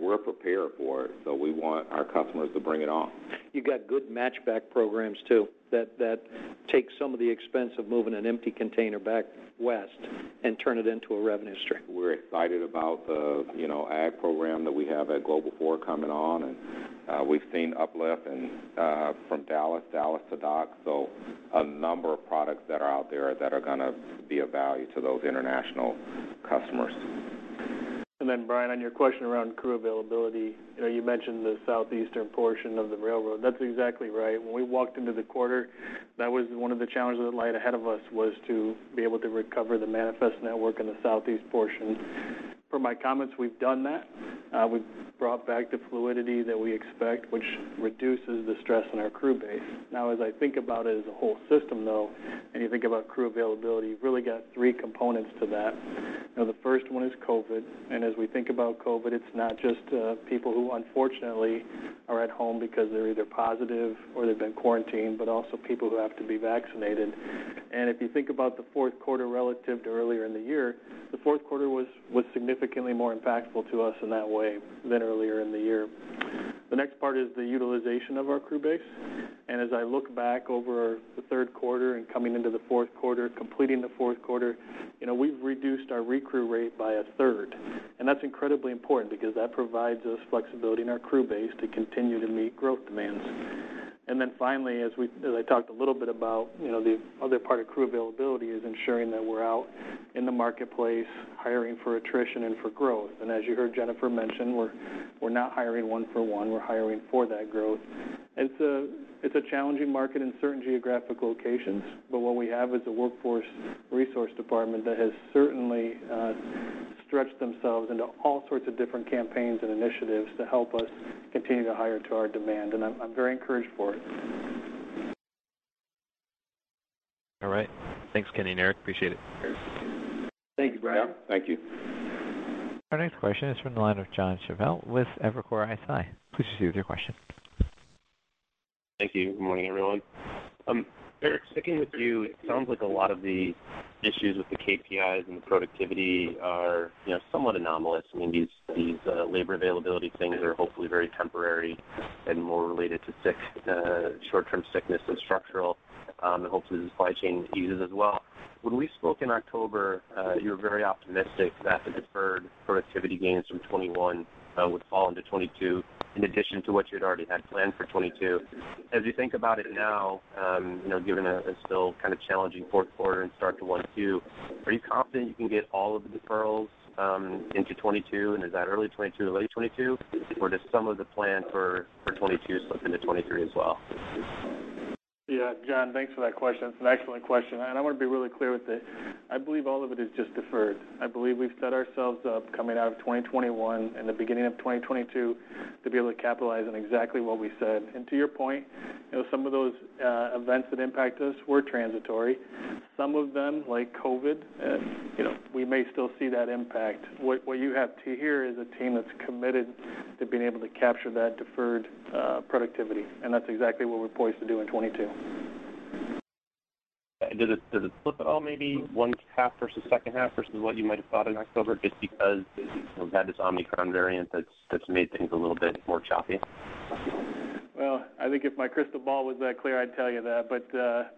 We're prepared for it, so we want our customers to bring it on. You've got good match back programs too that take some of the expense of moving an empty container back west and turn it into a revenue stream. We're excited about the, you know, ag program that we have at Global IV coming on, and we've seen uplift and from Dallas to Dock. So a number of products that are out there that are going to be of value to those international customers. Then, Brian, on your question around crew availability, you know, you mentioned the southeastern portion of the railroad. That's exactly right. When we walked into the quarter, that was one of the challenges that lay ahead of us was to be able to recover the manifest network in the southeast portion. From my comments, we've done that. We've brought back the fluidity that we expect, which reduces the stress on our crew base. Now, as I think about it as a whole system though, and you think about crew availability, you've really got three components to that. Now, the first one is COVID. As we think about COVID, it's not just people who unfortunately are at home because they're either positive or they've been quarantined, but also people who have to be vaccinated. If you think about the Q4 relative to earlier in the year, the Q4 was significantly more impactful to us in that way than earlier in the year. The next part is the utilization of our crew base. As I look back over the Q3 and coming into the Q4, completing the Q4, you know, we've reduced our recrew rate by a third. That's incredibly important because that provides us flexibility in our crew base to continue to meet growth demands. Then finally, as I talked a little bit about, you know, the other part of crew availability is ensuring that we're out in the marketplace hiring for attrition and for growth. As you heard Jennifer mention, we're not hiring one for one. We're hiring for that growth. It's a challenging market in certain geographic locations. What we have is a workforce resource department that has certainly stretched themselves into all sorts of different campaigns and initiatives to help us continue to hire to our demand. I'm very encouraged for it. All right. Thanks, Kenny and Eric. Appreciate it. Thanks. Thank you, Brian. Yeah. Thank you. Our next question is from the line of Jon Chappell with Evercore ISI. Please proceed with your question. Thank you. Good morning, everyone. Eric, sticking with you, it sounds like a lot of the issues with the KPIs and the productivity are, you know, somewhat anomalous. I mean, these labor availability things are hopefully very temporary and more related to short-term sickness than structural, and hopefully the supply chain eases as well. When we spoke in October, you were very optimistic that the deferred productivity gains from 2021 would fall into 2022 in addition to what you had already had planned for 2022. As you think about it now, you know, given a still kind of challenging Q4 and start to Q1, Q2, are you confident you can get all of the deferrals into 2022? And is that early 2022 or late 2022? Does some of the plan for 2022 slip into 2023 as well? Yeah. Jon, thanks for that question. It's an excellent question. I want to be really clear with it. I believe all of it is just deferred. I believe we've set ourselves up coming out of 2021 and the beginning of 2022 to be able to capitalize on exactly what we said. To your point, you know, some of those events that impact us were transitory. Some of them, like COVID, you know, we may still see that impact. What you have here is a team that's committed to being able to capture that deferred productivity. That's exactly what we're poised to do in 2022. Did it flip at all maybe first half versus second half versus what you might have thought in October just because, you know, we've had this Omicron variant that's made things a little bit more choppy? Well, I think if my crystal ball was that clear, I'd tell you that.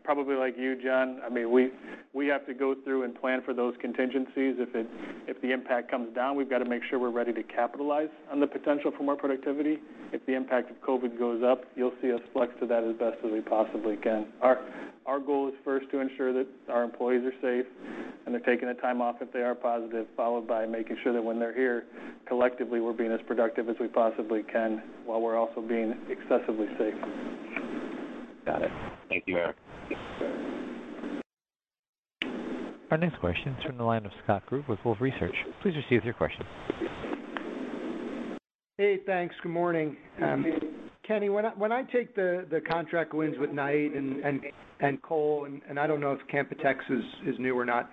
Probably like you, John, I mean, we have to go through and plan for those contingencies. If the impact comes down, we've got to make sure we're ready to capitalize on the potential for more productivity. If the impact of COVID goes up, you'll see us flex to that as best as we possibly can. Our goal is first to ensure that our employees are safe and they're taking the time off if they are positive, followed by making sure that when they're here, collectively, we're being as productive as we possibly can while we're also being excessively safe. Got it. Thank you, Eric. Hey, thanks. Good morning. Kenny, when I take the contract wins with Knight-Swift and coal, and I don't know if Canpotex is new or not,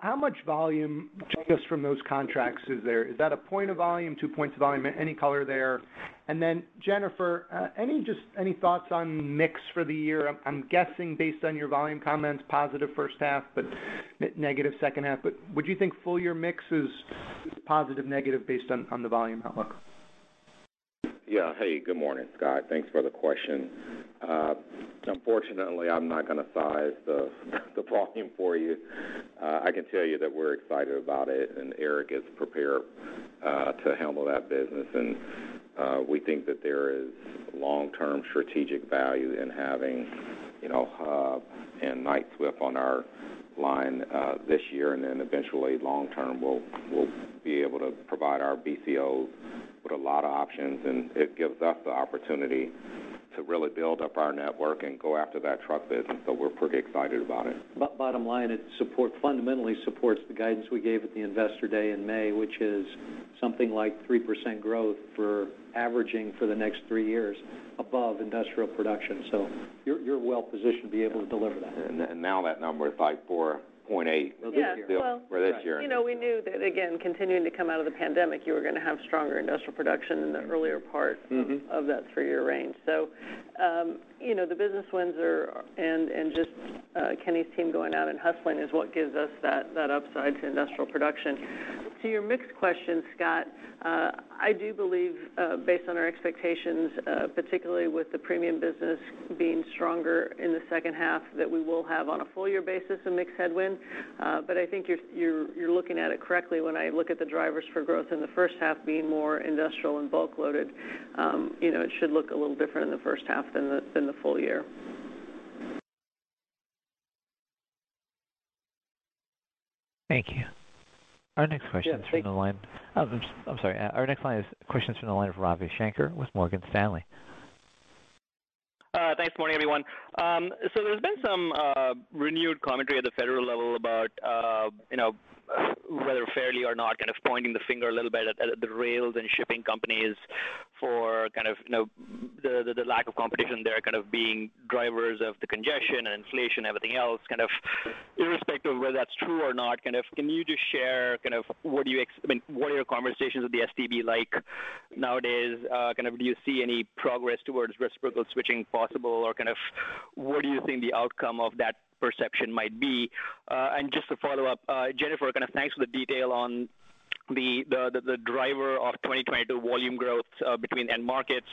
how much volume just from those contracts is there? Is that a point of volume, 2 points of volume? Any color there? Then Jennifer, any thoughts on mix for the year? I'm guessing based on your volume comments, positive first half, but negative second half. Would you think full year mix is positive, negative based on the volume outlook? Yeah. Hey, good morning, Scott. Thanks for the question. Unfortunately, I'm not going to size the volume for you. I can tell you that we're excited about it, and Eric is prepared to handle that business. We think that there is long-term strategic value in having, you know, Hub Group and Knight-Swift on our line this year. Then eventually long term, we'll be able to provide our BCOs with a lot of options, and it gives us the opportunity to really build up our network and go after that truck business. We're pretty excited about it. Bottom line, it fundamentally supports the guidance we gave at the Investor Day in May, which is something like 3% growth averaging for the next three years above industrial production. You're well positioned to be able to deliver that. Now that number is like 4.8. Well, this year. For this year. Right. Well, you know, we knew that, again, continuing to come out of the pandemic, you were going to have stronger industrial production in the earlier part. Mm-hmm... of that three-year range. You know, the business wins are and just Kenny's team going out and hustling is what gives us that upside to industrial production. To your mixed question, Scott, I do believe, based on our expectations, particularly with the premium business being stronger in the second half, that we will have on a full year basis a mixed headwind. I think you're looking at it correctly when I look at the drivers for growth in the first half being more industrial and bulk loaded. You know, it should look a little different in the first half than the full year. Thank you. Our next question is from the line- Yeah, thank- Thanks. Morning, everyone. So there's been some renewed commentary at the federal level about, you know, whether fairly or not, kind of pointing the finger a little bit at the rails and shipping companies for kind of, you know, the lack of competition there kind of being drivers of the congestion and inflation, everything else. Kind of irrespective of whether that's true or not, kind of, can you just share kind of—I mean, what are your conversations with the STB like nowadays? Kind of do you see any progress towards reciprocal switching possible? Or kind of what do you think the outcome of that perception might be? And just to follow up, Jennifer, kind of thanks for the detail on the driver of 2022 volume growth between end markets.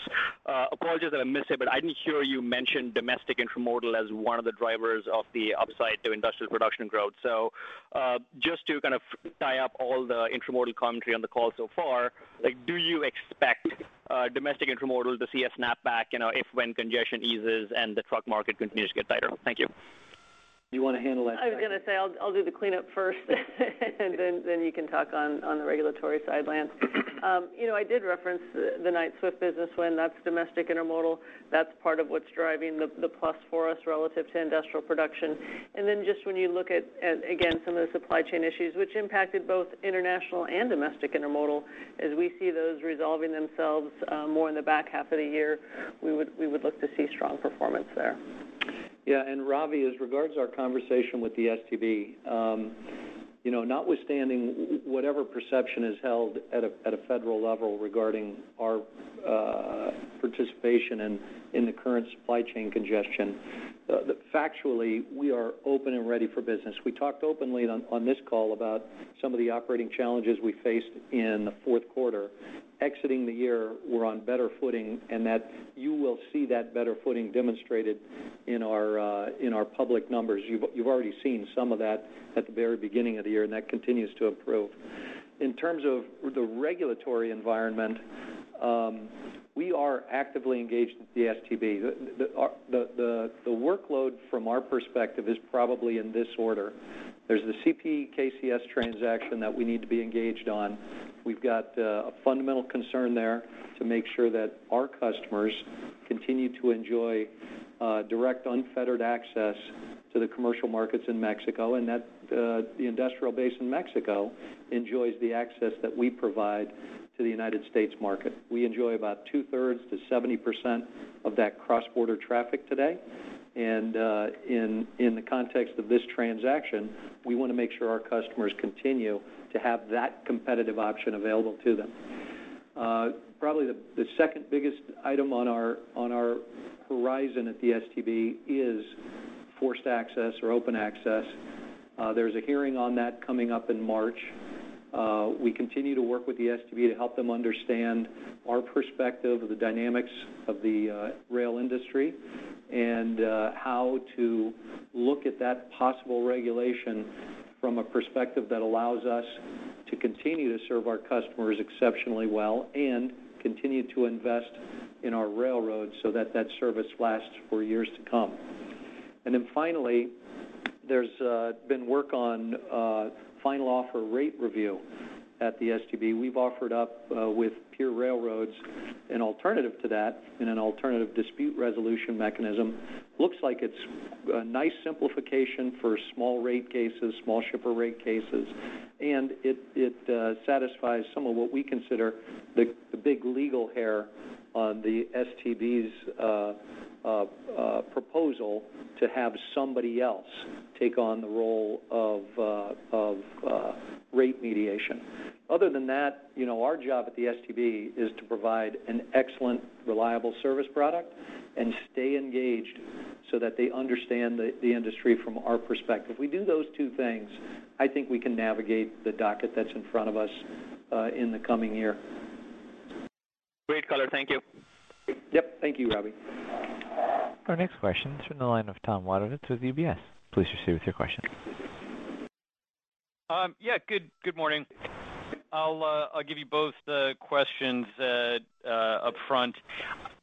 Apologies if I missed it, but I didn't hear you mention domestic intermodal as one of the drivers of the upside to industrial production growth. Just to kind of tie up all the intermodal commentary on the call so far, like, do you expect domestic intermodal to see a snapback, you know, if/when congestion eases and the truck market continues to get tighter? Thank you. Do you want to handle that, Jackie? I was going to say, I'll do the cleanup first and then you can talk on the regulatory side, Lance. You know, I did reference the Knight-Swift business win, that's domestic intermodal. That's part of what's driving the plus for us relative to industrial production. Then just when you look at, again, some of the supply chain issues which impacted both international and domestic intermodal, as we see those resolving themselves more in the back half of the year, we would look to see strong performance there. Ravi, as regards our conversation with the STB, whatever perception is held at a federal level regarding our participation in the current supply chain congestion, factually, we are open and ready for business. We talked openly on this call about some of the operating challenges we faced in the Q4. Exiting the year, we're on better footing, and that you will see that better footing demonstrated in our public numbers. You've already seen some of that at the very beginning of the year, and that continues to improve. In terms of the regulatory environment, we are actively engaged with the STB. The workload from our perspective is probably in this order. There's the CP-KCS transaction that we need to be engaged on. We've got a fundamental concern there to make sure that our customers continue to enjoy direct, unfettered access to the commercial markets in Mexico, and that the industrial base in Mexico enjoys the access that we provide to the United States market. We enjoy about 2/3 to 70% of that cross-border traffic today. In the context of this transaction, we want to make sure our customers continue to have that competitive option available to them. Probably the second biggest item on our horizon at the STB is forced access or open access. There's a hearing on that coming up in March. We continue to work with the STB to help them understand our perspective of the dynamics of the rail industry and how to look at that possible regulation from a perspective that allows us to continue to serve our customers exceptionally well and continue to invest in our railroad so that service lasts for years to come. Then finally, there's been work on Final Offer Rate Review at the STB. We've offered up with peer railroads an alternative to that in an alternative dispute resolution mechanism. Looks like it's a nice simplification for small rate cases, small shipper rate cases, and it satisfies some of what we consider the big legal hurdle on the STB's proposal to have somebody else take on the role of rate mediation. Other than that, you know, our job at the STB is to provide an excellent, reliable service product and stay engaged so that they understand the industry from our perspective. We do those two things, I think we can navigate the docket that's in front of us, in the coming year. Great color. Thank you. Yep. Thank you, Ravi. Yeah, good morning. I'll give you both the questions upfront.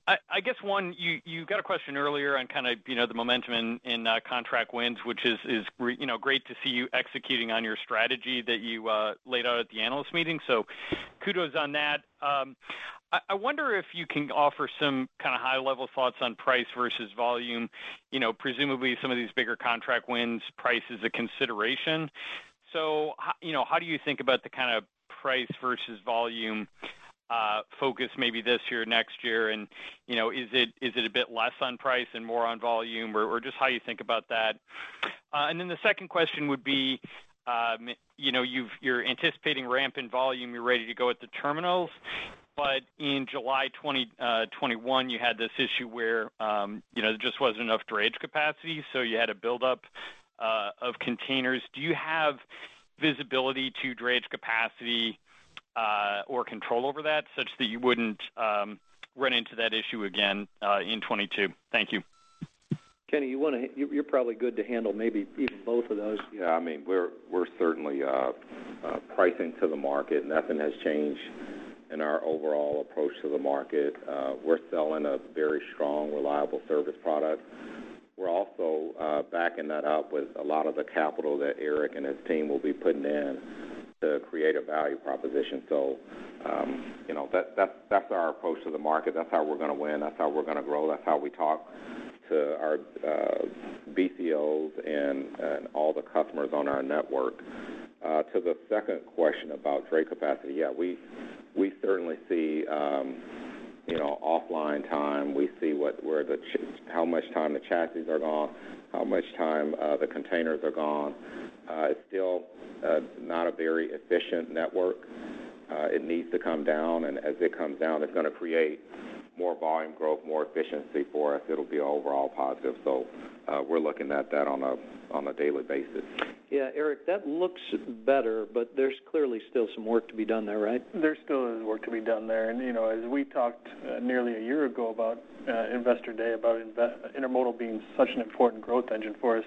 I guess one, you got a question earlier on kinda, you know, the momentum in contract wins, which is, you know, great to see you executing on your strategy that you laid out at the analyst meeting. So kudos on that. I wonder if you can offer some kinda high level thoughts on price versus volume. You know, presumably some of these bigger contract wins, price is a consideration. So you know, how do you think about the kinda price versus volume focus maybe this year, next year? You know, is it a bit less on price and more on volume? Or just how you think about that. The second question would be, you know, you're anticipating ramp in volume, you're ready to go at the terminals. But in July 2021, you had this issue where, you know, there just wasn't enough drayage capacity, so you had a buildup of containers. Do you have visibility to drayage capacity or control over that, such that you wouldn't run into that issue again in 2022? Thank you. Kenny, you're probably good to handle maybe even both of those. Yeah. I mean, we're certainly pricing to the market. Nothing has changed in our overall approach to the market. We're selling a very strong, reliable service product. Backing that up with a lot of the capital that Eric and his team will be putting in to create a value proposition. You know, that's our approach to the market. That's how we're going to win. That's how we're going to grow. That's how we talk to our BCOs and all the customers on our network. To the second question about trade capacity, yeah, we certainly see you know, offline time. We see how much time the chassis are gone, how much time the containers are gone. It's still not a very efficient network. It needs to come down, and as it comes down, it's going to create more volume growth, more efficiency for us. It'll be overall positive. We're looking at that on a daily basis. Yeah, Eric, that looks better, but there's clearly still some work to be done there, right? There still is work to be done there. You know, as we talked nearly a year ago about Investor Day, about intermodal being such an important growth engine for us,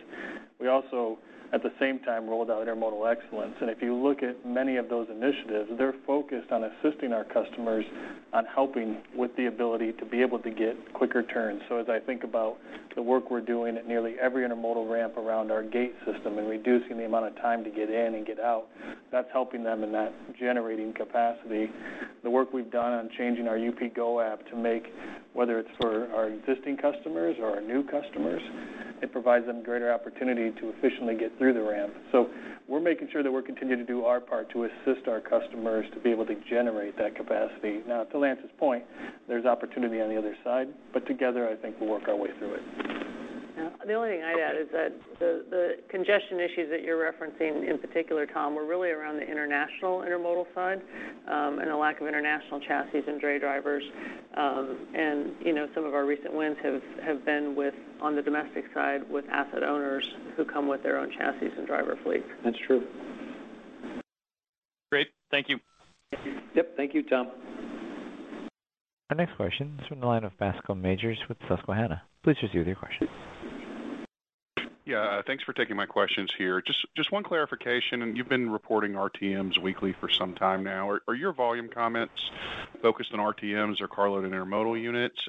we also, at the same time, rolled out Intermodal Excellence. If you look at many of those initiatives, they're focused on assisting our customers on helping with the ability to be able to get quicker turns. As I think about the work we're doing at nearly every intermodal ramp around our gate system and reducing the amount of time to get in and get out, that's helping them in that generating capacity. The work we've done on changing our UPGo app to make, whether it's for our existing customers or our new customers, it provides them greater opportunity to efficiently get through the ramp. We're making sure that we're continuing to do our part to assist our customers to be able to generate that capacity. Now, to Lance's point, there's opportunity on the other side, but together, I think we'll work our way through it. Yeah. The only thing I'd add is that the congestion issues that you're referencing, in particular, Tom, were really around the international intermodal side, and a lack of international chassis and dray drivers. And you know, some of our recent wins have been with, on the domestic side, with asset owners who come with their own chassis and driver fleet. That's true. Great. Thank you. Yep. Thank you, Tom. Yeah. Thanks for taking my questions here. Just one clarification. You've been reporting RTMs weekly for some time now. Are your volume comments focused on RTMs or carload and intermodal units?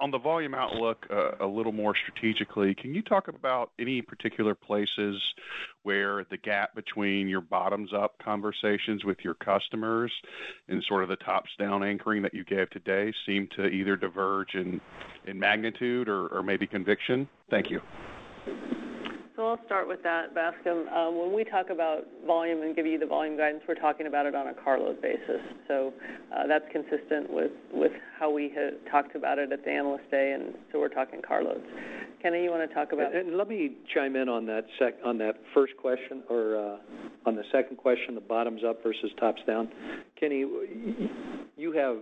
On the volume outlook, a little more strategically, can you talk about any particular places where the gap between your bottoms-up conversations with your customers and sort of the tops-down anchoring that you gave today seem to either diverge in magnitude or maybe conviction? Thank you. I'll start with that, Bascom. When we talk about volume and give you the volume guidance, we're talking about it on a carload basis. That's consistent with how we had talked about it at the Analyst Day, and so we're talking carloads. Kenny, you want to talk about- Let me chime in on that first question or on the second question, the bottoms up versus tops down. Kenny, you have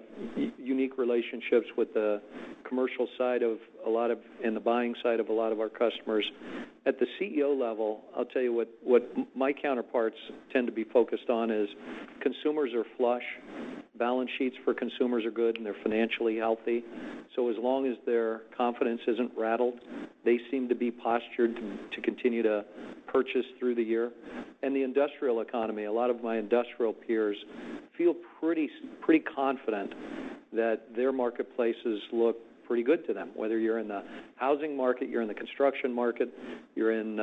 unique relationships with the commercial side of a lot of, and the buying side of a lot of our customers. At the CEO level, I'll tell you what my counterparts tend to be focused on is consumers are flush, balance sheets for consumers are good, and they're financially healthy. As long as their confidence isn't rattled, they seem to be postured to continue to purchase through the year. The industrial economy, a lot of my industrial peers feel pretty confident that their marketplaces look pretty good to them, whether you're in the housing market, you're in the construction market, you're in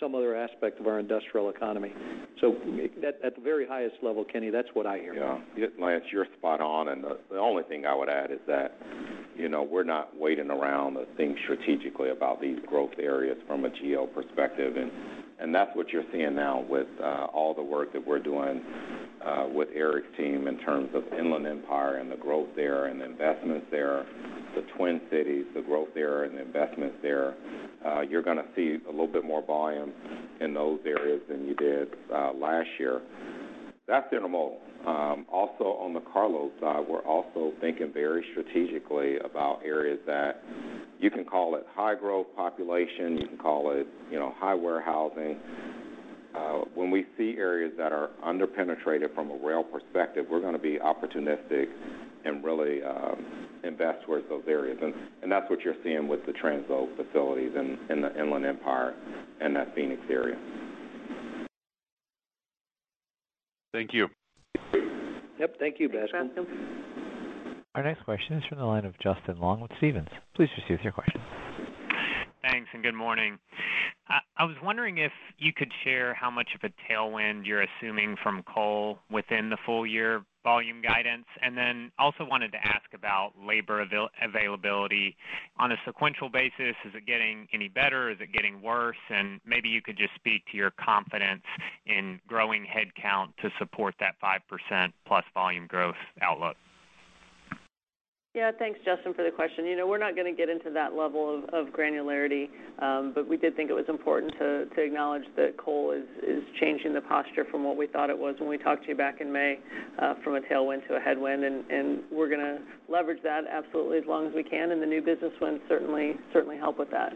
some other aspect of our industrial economy. At the very highest level, Kenny, that's what I hear. Yeah. Lance, you're spot on. The only thing I would add is that, you know, we're not waiting around to think strategically about these growth areas from a geo perspective. That's what you're seeing now with all the work that we're doing with Eric's team in terms of Inland Empire and the growth there and the investments there, the Twin Cities, the growth there and the investments there. You're going to see a little bit more volume in those areas than you did last year. That's intermodal. Also on the carload side, we're also thinking very strategically about areas that you can call it high growth population, you can call it, you know, high warehousing. When we see areas that are under-penetrated from a rail perspective, we're going to be opportunistic and really invest towards those areas. That's what you're seeing with the transload facilities in the Inland Empire and that Phoenix area. Thank you. Yep. Thank you, Bascome. Thanks, Bascome. Thanks. Good morning. I was wondering if you could share how much of a tailwind you're assuming from coal within the full-year volume guidance. I also wanted to ask about labor availability. On a sequential basis, is it getting any better? Is it getting worse? Maybe you could just speak to your confidence in growing headcount to support that 5%+ volume growth outlook. Yeah. Thanks, Justin, for the question. You know, we're not going to get into that level of granularity, but we did think it was important to acknowledge that coal is changing the posture from what we thought it was when we talked to you back in May, from a tailwind to a headwind, and we're going to leverage that absolutely as long as we can, and the new business wins certainly help with that.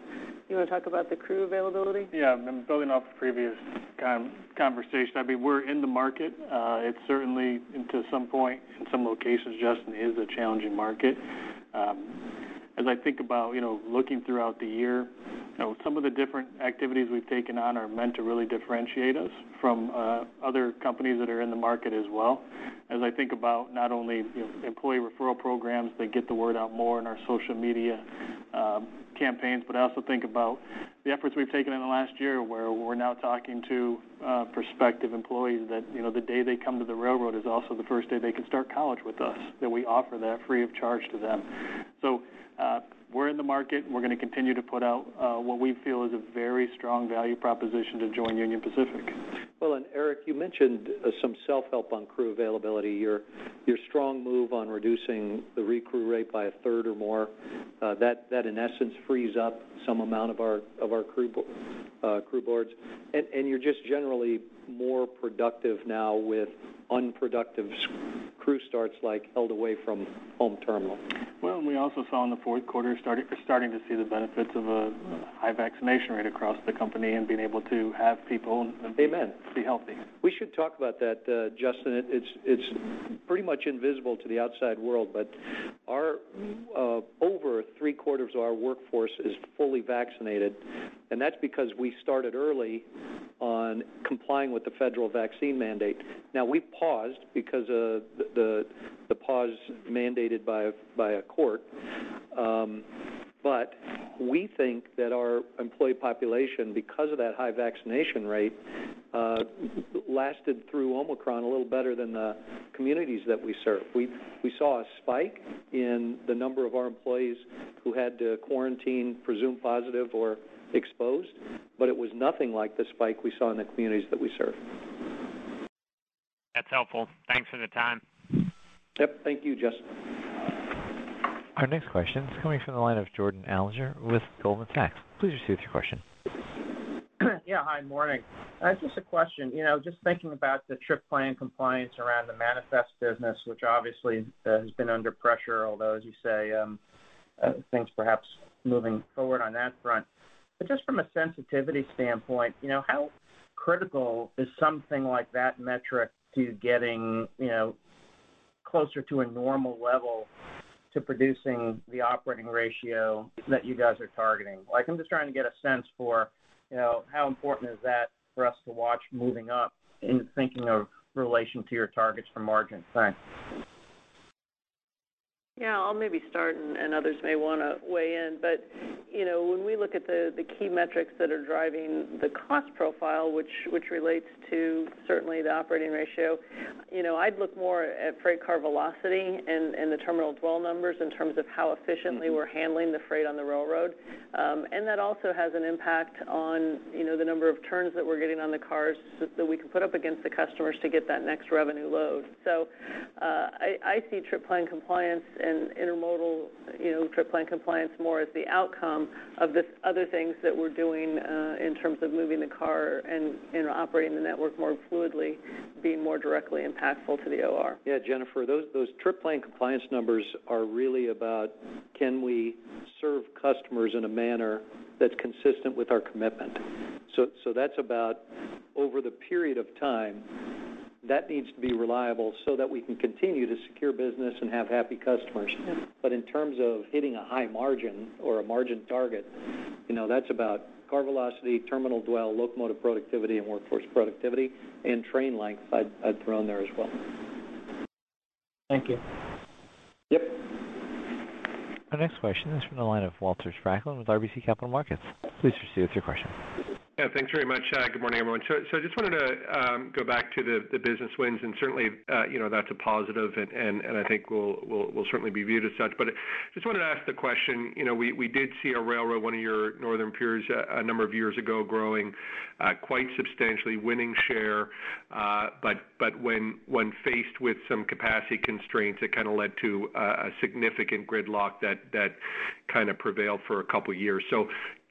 You want to talk about the crew availability? Yeah. Building off the previous conversation, I mean, we're in the market. It's certainly, and to some point, in some locations, Justin, is a challenging market. As I think about, you know, looking throughout the year, you know, some of the different activities we've taken on are meant to really differentiate us from other companies that are in the market as well. As I think about not only, you know, employee referral programs that get the word out more in our social media campaigns, but I also think about the efforts we've taken in the last year, where we're now talking to prospective employees that, you know, the day they come to the railroad is also the first day they can start college with us, that we offer that free of charge to them. We're in the market, and we're going to continue to put out what we feel is a very strong value proposition to join Union Pacific. Well, Eric, you mentioned some self-help on crew availability, your strong move on reducing the recrew rate by a third or more. That, in essence, frees up some amount of our crew boards. You're just generally more productive now with unproductive crew starts, like, held away from home terminal. Well, we also saw in the Q4 starting to see the benefits of a high vaccination rate across the company and being able to have people. Amen be healthy. We should talk about that, Justin. It's pretty much invisible to the outside world, but over three-quarters of our workforce is fully vaccinated, and that's because we started early on complying with the federal vaccine mandate. Now we've paused because of the pause mandated by a court. But we think that our employee population, because of that high vaccination rate, lasted through Omicron a little better than the communities that we serve. We saw a spike in the number of our employees who had to quarantine, presumed positive or exposed, but it was nothing like the spike we saw in the communities that we serve. That's helpful. Thanks for the time. Yep. Thank you, Justin. Yeah. Hi. Morning. Just a question. You know, just thinking about the trip plan compliance around the manifest business, which obviously has been under pressure, although, as you say, things perhaps moving forward on that front. But just from a sensitivity standpoint, you know, how critical is something like that metric to getting, you know, closer to a normal level to producing the operating ratio that you guys are targeting? Like, I'm just trying to get a sense for, you know, how important is that for us to watch moving forward in relation to your targets for margin? Thanks. Yeah. I'll maybe start, and others may want to weigh in. You know, when we look at the key metrics that are driving the cost profile, which relates to certainly the operating ratio, you know, I'd look more at freight car velocity and the terminal dwell numbers in terms of how efficiently we're handling the freight on the railroad. And that also has an impact on, you know, the number of turns that we're getting on the cars that we can put up against the customers to get that next revenue load. I see trip plan compliance and intermodal trip plan compliance more as the outcome of the other things that we're doing in terms of moving the car and operating the network more fluidly, being more directly impactful to the OR. Yeah, Jennifer, those trip plan compliance numbers are really about, can we serve customers in a manner that's consistent with our commitment? So that's about, over the period of time, that needs to be reliable so that we can continue to secure business and have happy customers. Yeah. In terms of hitting a high margin or a margin target, you know, that's about car velocity, terminal dwell, locomotive productivity, and workforce productivity, and train length I'd throw in there as well. Thank you. Yep. Yeah. Thanks very much. Good morning, everyone. So I just wanted to go back to the business wins, and certainly, you know, that's a positive and I think will certainly be viewed as such. But just wanted to ask the question, you know, we did see a railroad, one of your northern peers, a number of years ago growing quite substantially, winning share. But when faced with some capacity constraints, it kind of led to a significant gridlock that kind of prevailed for a couple years.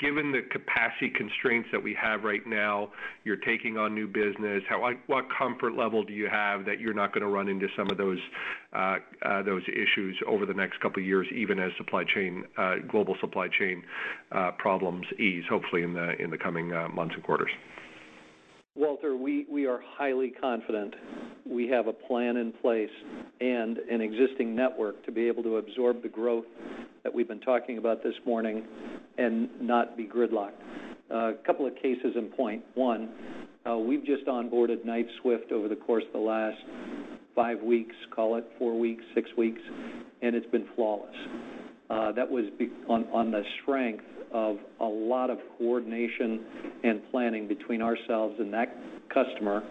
Given the capacity constraints that we have right now, you're taking on new business. How, like, what comfort level do you have that you're not going to run into some of those issues over the next couple years, even as supply chain, global supply chain, problems ease, hopefully in the coming months and quarters? Walter, we are highly confident. We have a plan in place and an existing network to be able to absorb the growth that we've been talking about this morning and not be gridlocked. A couple of cases in point. One, we've just onboarded Knight-Swift over the course of the last 5 weeks, call it 4 weeks, 6 weeks, and it's been flawless. That was based on the strength of a lot of coordination and planning between ourselves and that customer,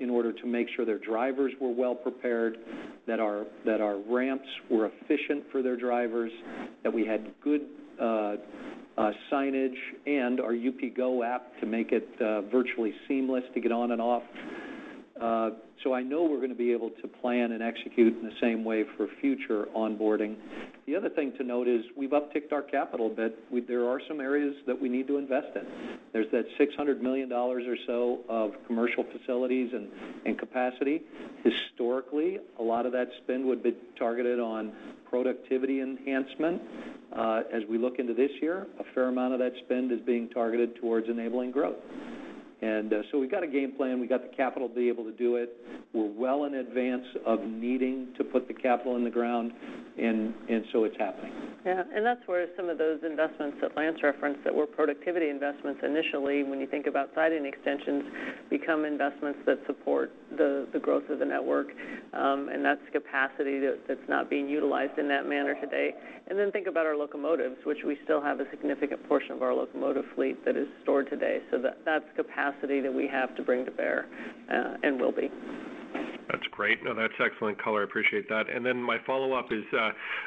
in order to make sure their drivers were well prepared, that our ramps were efficient for their drivers, that we had good signage and our UPGo app to make it virtually seamless to get on and off. I know we're going to be able to plan and execute in the same way for future onboarding. The other thing to note is we've upticked our capital a bit. There are some areas that we need to invest in. There's that $600 million or so of commercial facilities and capacity. Historically, a lot of that spend would be targeted on productivity enhancement. As we look into this year, a fair amount of that spend is being targeted towards enabling growth. We've got a game plan. We've got the capital to be able to do it. We're well in advance of needing to put the capital in the ground and so it's happening. That's where some of those investments that Lance referenced that were productivity investments initially, when you think about siding extensions, become investments that support the growth of the network, and that's capacity that's not being utilized in that manner today. Then think about our locomotives, which we still have a significant portion of our locomotive fleet that is stored today. That's capacity that we have to bring to bear, and will be. That's great. No, that's excellent color. Appreciate that. My follow-up is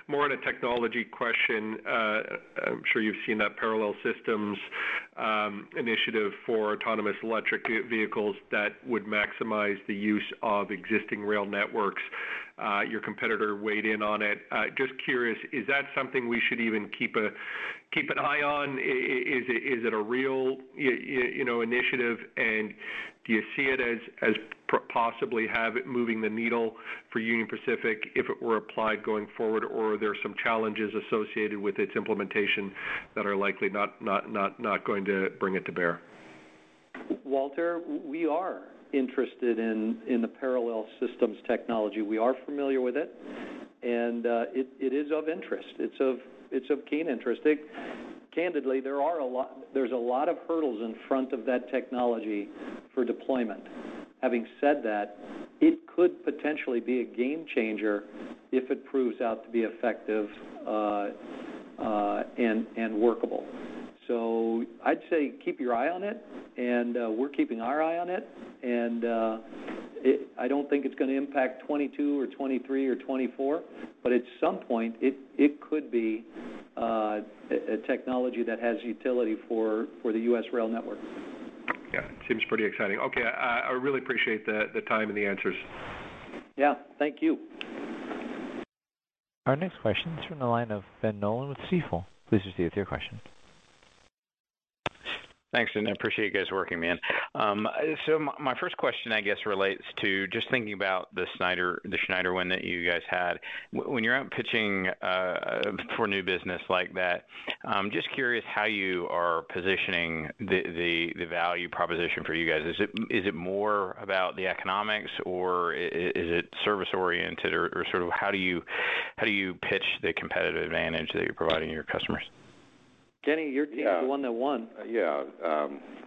more on a technology question. I'm sure you've seen that Parallel Systems initiative for autonomous electric vehicles that would maximize the use of existing rail networks. Your competitor weighed in on it. Just curious, is that something we should even keep an eye on? Is it a real you know, initiative? Do you see it as possibly have it moving the needle for Union Pacific if it were applied going forward, or are there some challenges associated with its implementation that are likely not going to bring it to bear? Walter, we are interested in the Parallel Systems technology. We are familiar with it, and it is of interest. It's of keen interest. I think, candidly, there are a lot of hurdles in front of that technology for deployment. Having said that, it could potentially be a game changer if it proves out to be effective and workable. So I'd say keep your eye on it, and we're keeping our eye on it. I don't think it's going to impact 2022 or 2023 or 2024, but at some point, it could be a technology that has utility for the U.S. rail network. Yeah. Seems pretty exciting. Okay. I really appreciate the time and the answers. Yeah, thank you. Thanks, and I appreciate you guys working me in. My first question, I guess, relates to just thinking about the Schneider one that you guys had. When you're out pitching for new business like that, I'm just curious how you are positioning the value proposition for you guys. Is it more about the economics, or is it service oriented? Or, sort of, how do you pitch the competitive advantage that you're providing your customers? Kenny, you're the Yeah the one that won. Yeah.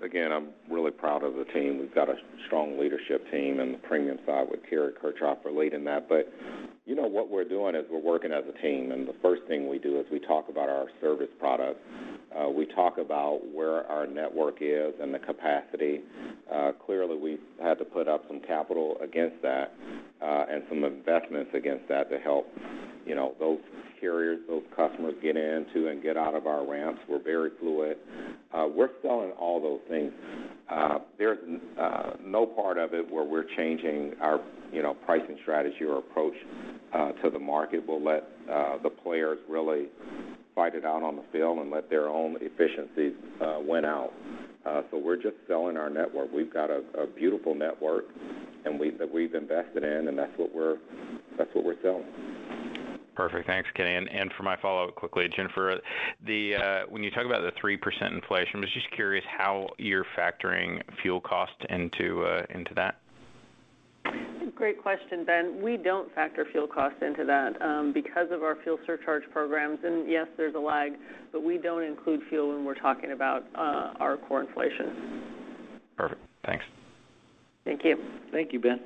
Again, I'm really proud of the team. We've got a strong leadership team on the premium side with Kari Kirchhoefer leading that. You know, what we're doing is we're working as a team, and the first thing we do is we talk about our service products. We talk about where our network is and the capacity. Clearly, we've had to put up some capital against that, and some investments against that to help, you know, those carriers, those customers get into and get out of our ramps. We're very fluid. We're selling all those things. There's no part of it where we're changing our, you know, pricing strategy or approach to the market. We'll let the players really fight it out on the field and let their own efficiencies win out. We're just selling our network. We've got a beautiful network that we've invested in, and that's what we're selling. Perfect. Thanks, Kenny. For my follow-up quickly, Jennifer, when you talk about the 3% inflation, I was just curious how you're factoring fuel costs into that? Great question, Ben. We don't factor fuel costs into that, because of our fuel surcharge programs. Yes, there's a lag, but we don't include fuel when we're talking about our core inflation. Perfect. Thanks. Thank you. Thank you, Ben.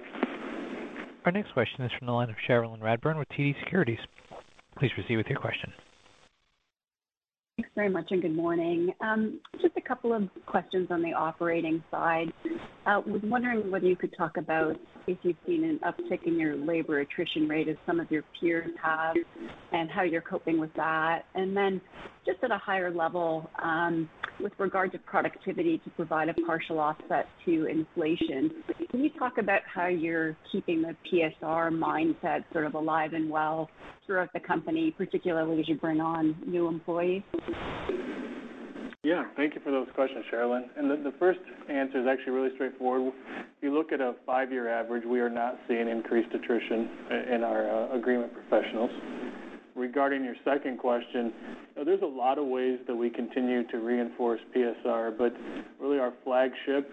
Thanks very much, and good morning. Just a couple of questions on the operating side. Was wondering whether you could talk about if you've seen an uptick in your labor attrition rate as some of your peers have and how you're coping with that. Just at a higher level, with regard to productivity to provide a partial offset to inflation, can you talk about how you're keeping the PSR mindset sort of alive and well throughout the company, particularly as you bring on new employees? Thank you for those questions, Cherilyn. The first answer is actually really straightforward. If you look at a 5-year average, we are not seeing increased attrition in our agreement professionals. Regarding your second question, there's a lot of ways that we continue to reinforce PSR, but really our flagship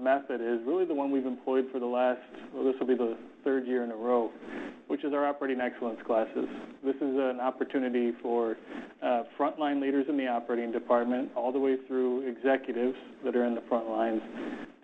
method is really the one we've employed for the last, well, this will be the third year in a row, which is our Operating Excellence classes. This is an opportunity for frontline leaders in the operating department all the way through executives that are in the front lines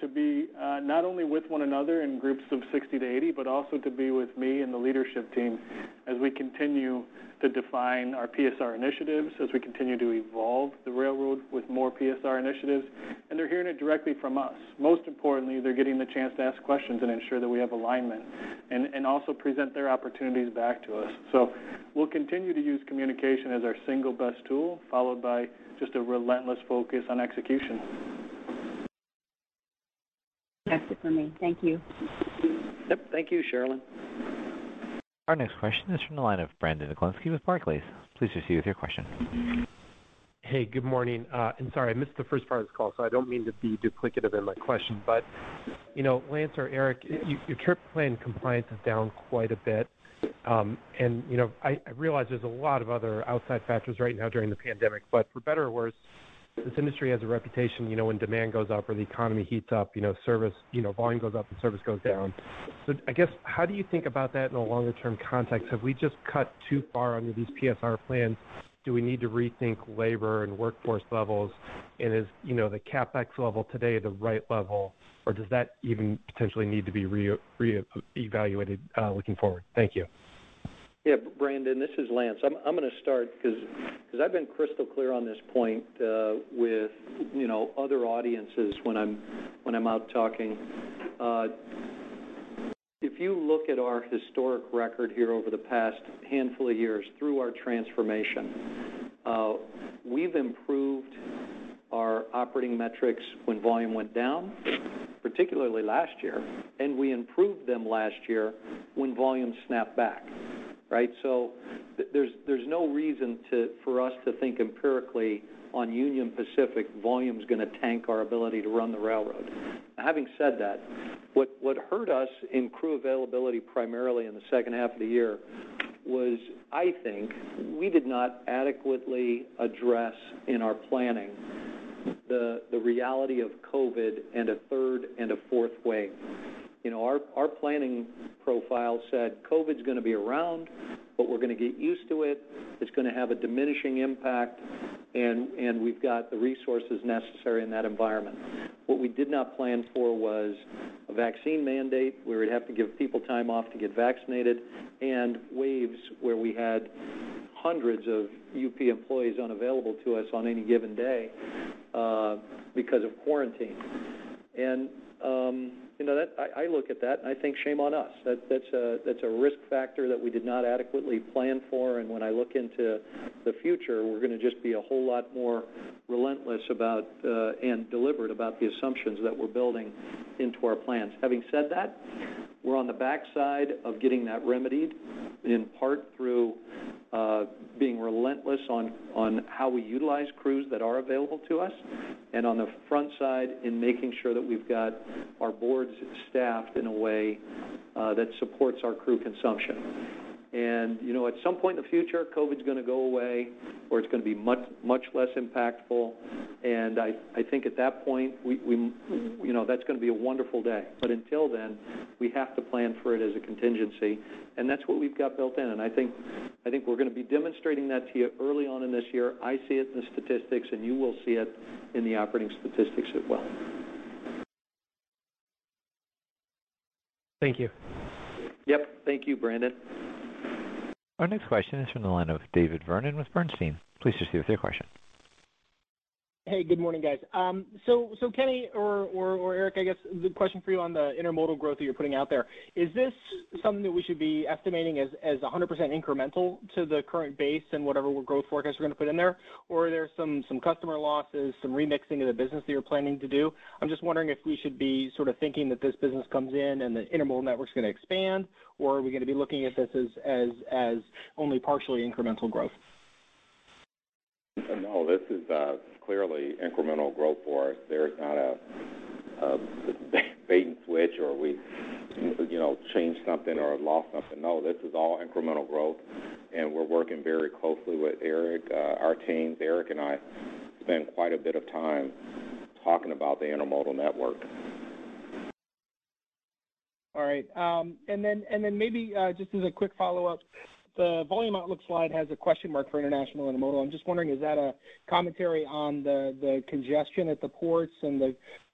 to be not only with one another in groups of 60-80, but also to be with me and the leadership team as we continue to define our PSR initiatives, as we continue to evolve the railroad with more PSR initiatives, and they're hearing it directly from us. Most importantly, they're getting the chance to ask questions and ensure that we have alignment and also present their opportunities back to us. We'll continue to use communication as our single best tool, followed by just a relentless focus on execution. That's it for me. Thank you. Yep. Thank you, Cherilyn. Hey, good morning. Sorry, I missed the first part of this call, so I don't mean to be duplicative in my question, but you know, Lance or Eric, your trip plan compliance is down quite a bit. You know, I realize there's a lot of other outside factors right now during the pandemic, but for better or worse, this industry has a reputation, you know, when demand goes up or the economy heats up, you know, service, you know, volume goes up and service goes down. I guess, how do you think about that in a longer term context? Have we just cut too far under these PSR plans? Do we need to rethink labor and workforce levels? Is, you know, the CapEx level today the right level, or does that even potentially need to be re-evaluated, looking forward? Thank you. Yeah. Brandon, this is Lance. I'm going to start because I've been crystal clear on this point with you know other audiences when I'm out talking. If you look at our historic record here over the past handful of years through our transformation, we've improved our operating metrics when volume went down, particularly last year, and we improved them last year when volume snapped back, right? There's no reason for us to think empirically on Union Pacific volume is going to tank our ability to run the railroad. Having said that, what hurt us in crew availability, primarily in the second half of the year, was, I think, we did not adequately address in our planning the reality of COVID and a third and a fourth wave. You know, our planning profile said COVID's going to be around, but we're going to get used to it. It's going to have a diminishing impact, and we've got the resources necessary in that environment. What we did not plan for was a vaccine mandate, where we'd have to give people time off to get vaccinated, and waves where we had hundreds of UP employees unavailable to us on any given day because of quarantine. You know, I look at that and I think shame on us. That's a risk factor that we did not adequately plan for, and when I look into the future, we're going to just be a whole lot more relentless about and deliberate about the assumptions that we're building into our plans. Having said that, we're on the backside of getting that remedied, in part through being relentless on how we utilize crews that are available to us, and on the front side in making sure that we've got our boards staffed in a way that supports our crew consumption. You know, at some point in the future, COVID's going to go away or it's going to be much, much less impactful. I think at that point, we you know, that's going to be a wonderful day. Until then, we have to plan for it as a contingency, and that's what we've got built in. I think we're going to be demonstrating that to you early on in this year. I see it in the statistics, and you will see it in the operating statistics as well. Thank you. Yep. Thank you, Brandon. Hey, good morning, guys. Kenny or Eric, I guess the question for you on the intermodal growth that you're putting out there, is this something that we should be estimating as 100% incremental to the current base and whatever growth forecast we're going to put in there? Or are there some customer losses, some remixing of the business that you're planning to do? I'm just wondering if we should be sort of thinking that this business comes in and the intermodal network's going to expand, or are we going to be looking at this as only partially incremental growth? No, this is clearly incremental growth for us. There's not a bait and switch or we, you know, changed something or lost something. No, this is all incremental growth, and we're working very closely with Eric, our teams. Eric and I spend quite a bit of time talking about the intermodal network. All right. Maybe just as a quick follow-up, the volume outlook slide has a question mark for international intermodal. I'm just wondering, is that a commentary on the congestion at the ports and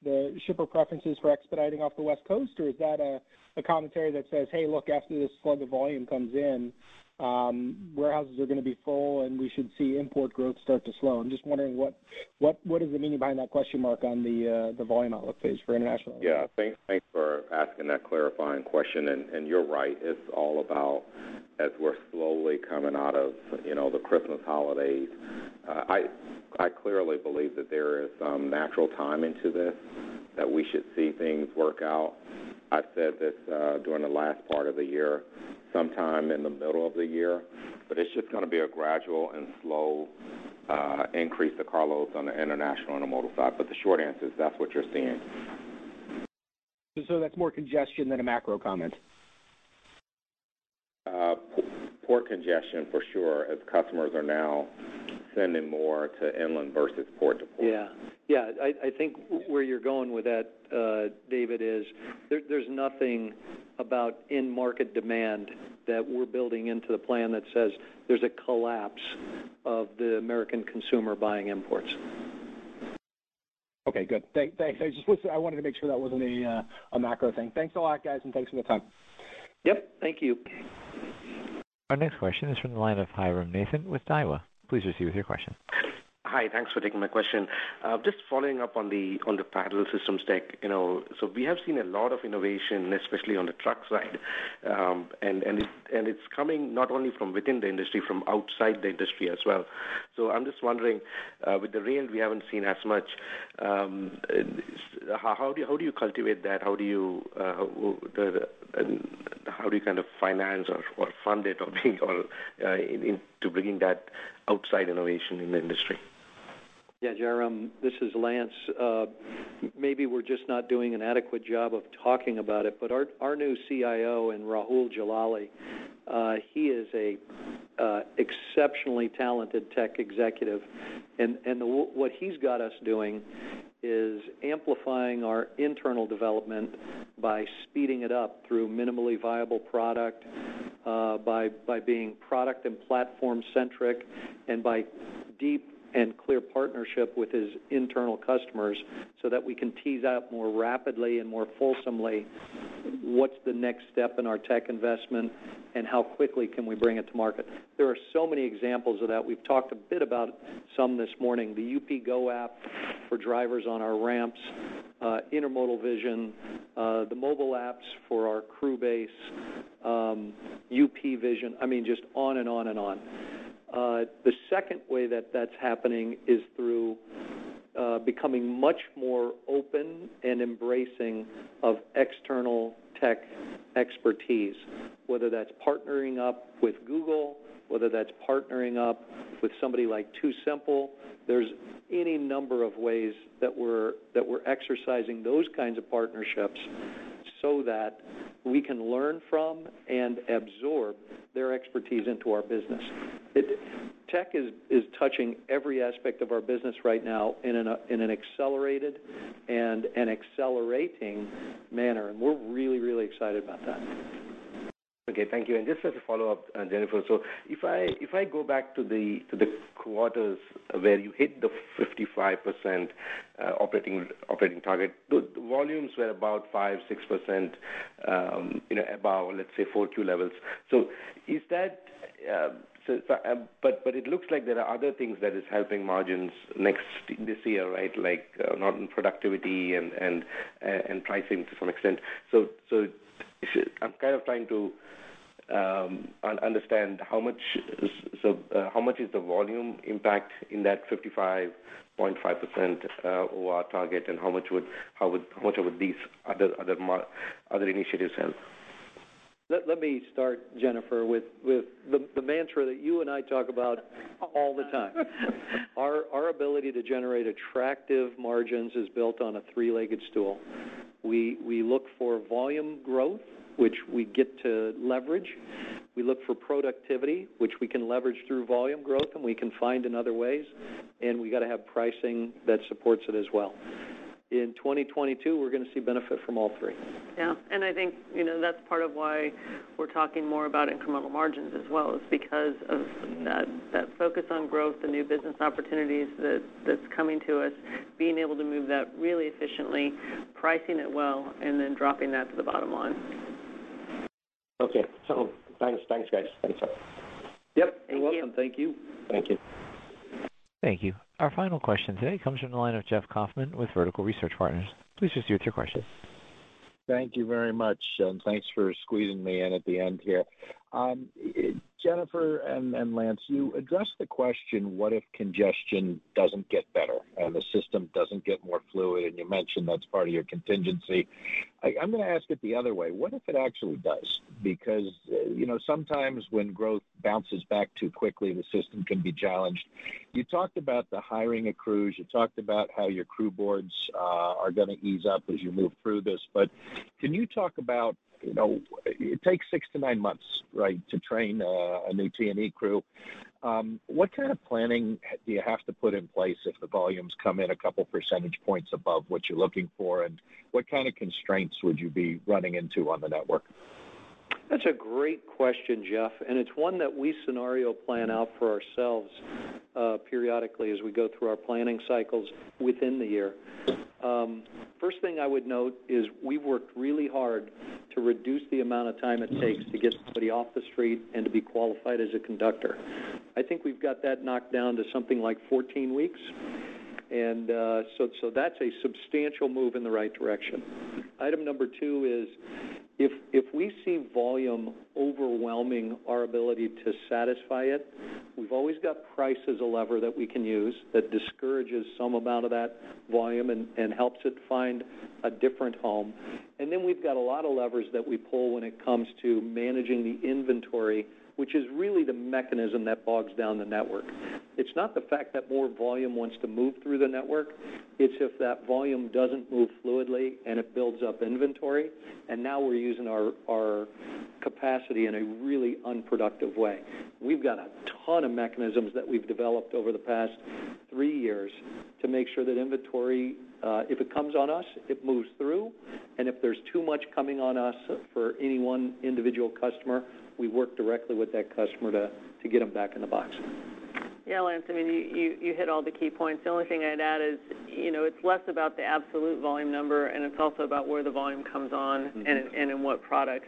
the shipper preferences for expediting off the West Coast? Or is that a commentary that says, "Hey, look, after this slug of volume comes in, warehouses are going to be full and we should see import growth start to slow." I'm just wondering what is the meaning behind that question mark on the volume outlook page for international? Yeah. Thanks for asking that clarifying question. You're right. It's all about as we're slowly coming out of, you know, the Christmas holidays. I clearly believe that there is some natural timing to this that we should see things work out. I've said this during the last part of the year, sometime in the middle of the year, but it's just going to be a gradual and slow increase to carloads on the international intermodal side. The short answer is that's what you're seeing. That's more congestion than a macro comment. Port congestion for sure, as customers are now sending more to inland versus port to port. Yeah. I think where you're going with that, David, is there's nothing about end market demand that we're building into the plan that says there's a collapse of the American consumer buying imports. Okay, good. Thanks. I wanted to make sure that wasn't a macro thing. Thanks a lot, guys, and thanks for the time. Yep, thank you. Hi. Thanks for taking my question. Just following up on the Parallel Systems deck, you know. We have seen a lot of innovation, especially on the trucks side, and it's coming not only from within the industry, from outside the industry as well. I'm just wondering, with the rail, we haven't seen as much. How do you cultivate that? How do you kind of finance or fund it or into bringing that outside innovation in the industry? Yeah, Jairam, this is Lance. Maybe we're just not doing an adequate job of talking about it, but our new CIO, Rahul Jalali, he is an exceptionally talented tech executive. What he's got us doing is amplifying our internal development by speeding it up through minimum viable product, by being product and platform centric and by deep and clear partnership with his internal customers so that we can tease out more rapidly and more fulsomely what's the next step in our tech investment and how quickly can we bring it to market. There are so many examples of that. We've talked a bit about some this morning, the UPGo app for drivers on our ramps, Intermodal Vision, the mobile apps for our crew base, UP Vision. I mean, just on and on and on. The second way that that's happening is through becoming much more open and embracing of external tech expertise, whether that's partnering up with Google, whether that's partnering up with somebody like TuSimple. There's any number of ways that we're exercising those kinds of partnerships so that we can learn from and absorb their expertise into our business. Tech is touching every aspect of our business right now in an accelerated and an accelerating manner, and we're really excited about that. Okay, thank you. Just as a follow-up, Jennifer, if I go back to the quarters where you hit the 55% operating target, the volumes were about 5-6% you know above, let's say, Q2 levels. Is that helping margins this year, right? Like productivity and pricing to some extent. I'm kind of trying to understand how much the volume impact is in that 55.5% OR target. And what would these other initiatives help? Let me start, Jennifer, with the mantra that you and I talk about all the time. Our ability to generate attractive margins is built on a three-legged stool. We look for volume growth, which we get to leverage. We look for productivity, which we can leverage through volume growth and we can find in other ways, and we gotta have pricing that supports it as well. In 2022, we're going to see benefit from all three. Yeah. I think, you know, that's part of why we're talking more about incremental margins as well, is because of that focus on growth, the new business opportunities that's coming to us, being able to move that really efficiently, pricing it well, and then dropping that to the bottom line. Okay. Thanks. Thanks, guys. Thanks a lot. Yep. Thank you. You're welcome. Thank you. Thank you. Thank you very much, and thanks for squeezing me in at the end here. Jennifer and Lance, you addressed the question, what if congestion doesn't get better and the system doesn't get more fluid? You mentioned that's part of your contingency. I'm going to ask it the other way. What if it actually does? Because, you know, sometimes when growth bounces back too quickly, the system can be challenged. You talked about the hiring of crews, you talked about how your crew boards are going to ease up as you move through this. Can you talk about, you know, it takes 6-9 months, right, to train a new T&E crew. What kind of planning do you have to put in place if the volumes come in a couple percentage points above what you're looking for? What kind of constraints would you be running into on the network? That's a great question, Jeff, and it's one that we scenario plan out for ourselves periodically as we go through our planning cycles within the year. First thing I would note is we worked really hard to reduce the amount of time it takes to get somebody off the street and to be qualified as a conductor. I think we've got that knocked down to something like 14 weeks. So that's a substantial move in the right direction. Item number two is if we see volume overwhelming our ability to satisfy it, we've always got price as a lever that we can use that discourages some amount of that volume and helps it find a different home. We've got a lot of levers that we pull when it comes to managing the inventory, which is really the mechanism that bogs down the network. It's not the fact that more volume wants to move through the network, it's if that volume doesn't move fluidly and it builds up inventory, and now we're using our capacity in a really unproductive way. We've got a ton of mechanisms that we've developed over the past three years to make sure that inventory, if it comes on us, it moves through, and if there's too much coming on us for any one individual customer, we work directly with that customer to get them back in the box. Yeah, Lance, I mean, you hit all the key points. The only thing I'd add is, you know, it's less about the absolute volume number, and it's also about where the volume comes on and in, and in what products.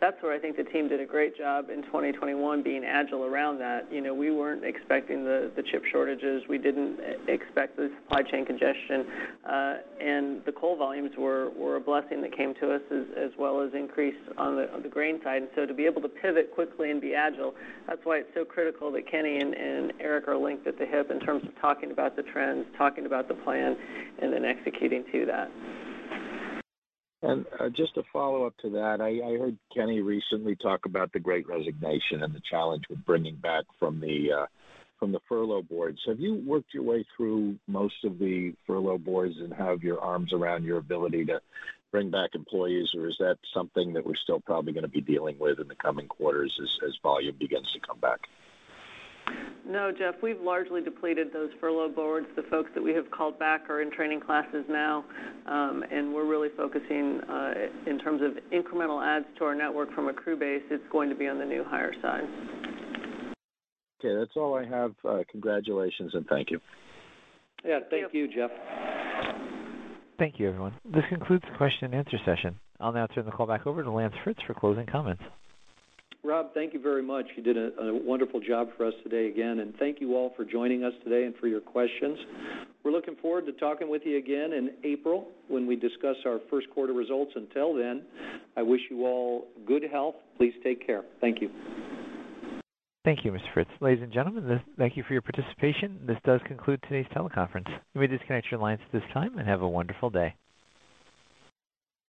That's where I think the team did a great job in 2021, being agile around that. You know, we weren't expecting the chip shortages. We didn't expect the supply chain congestion. The coal volumes were a blessing that came to us as well as increase on the grain side. To be able to pivot quickly and be agile, that's why it's so critical that Kenny and Eric are linked at the hip in terms of talking about the trends, talking about the plan, and then executing to that. Just a follow-up to that. I heard Kenny recently talk about the Great Resignation and the challenge with bringing back from the furlough boards. Have you worked your way through most of the furlough boards and have your arms around your ability to bring back employees? Or is that something that we're still probably going to be dealing with in the coming quarters as volume begins to come back? No, Jeff, we've largely depleted those furlough boards. The folks that we have called back are in training classes now. We're really focusing, in terms of incremental adds to our network from a crew base, it's going to be on the new hire side. Okay, that's all I have. Congratulations and thank you. Yeah, thank you, Jeff. Rob, thank you very much. You did a wonderful job for us today again, and thank you all for joining us today and for your questions. We're looking forward to talking with you again in April when we discuss our Q1 results. Until then, I wish you all good health. Please take care. Thank you.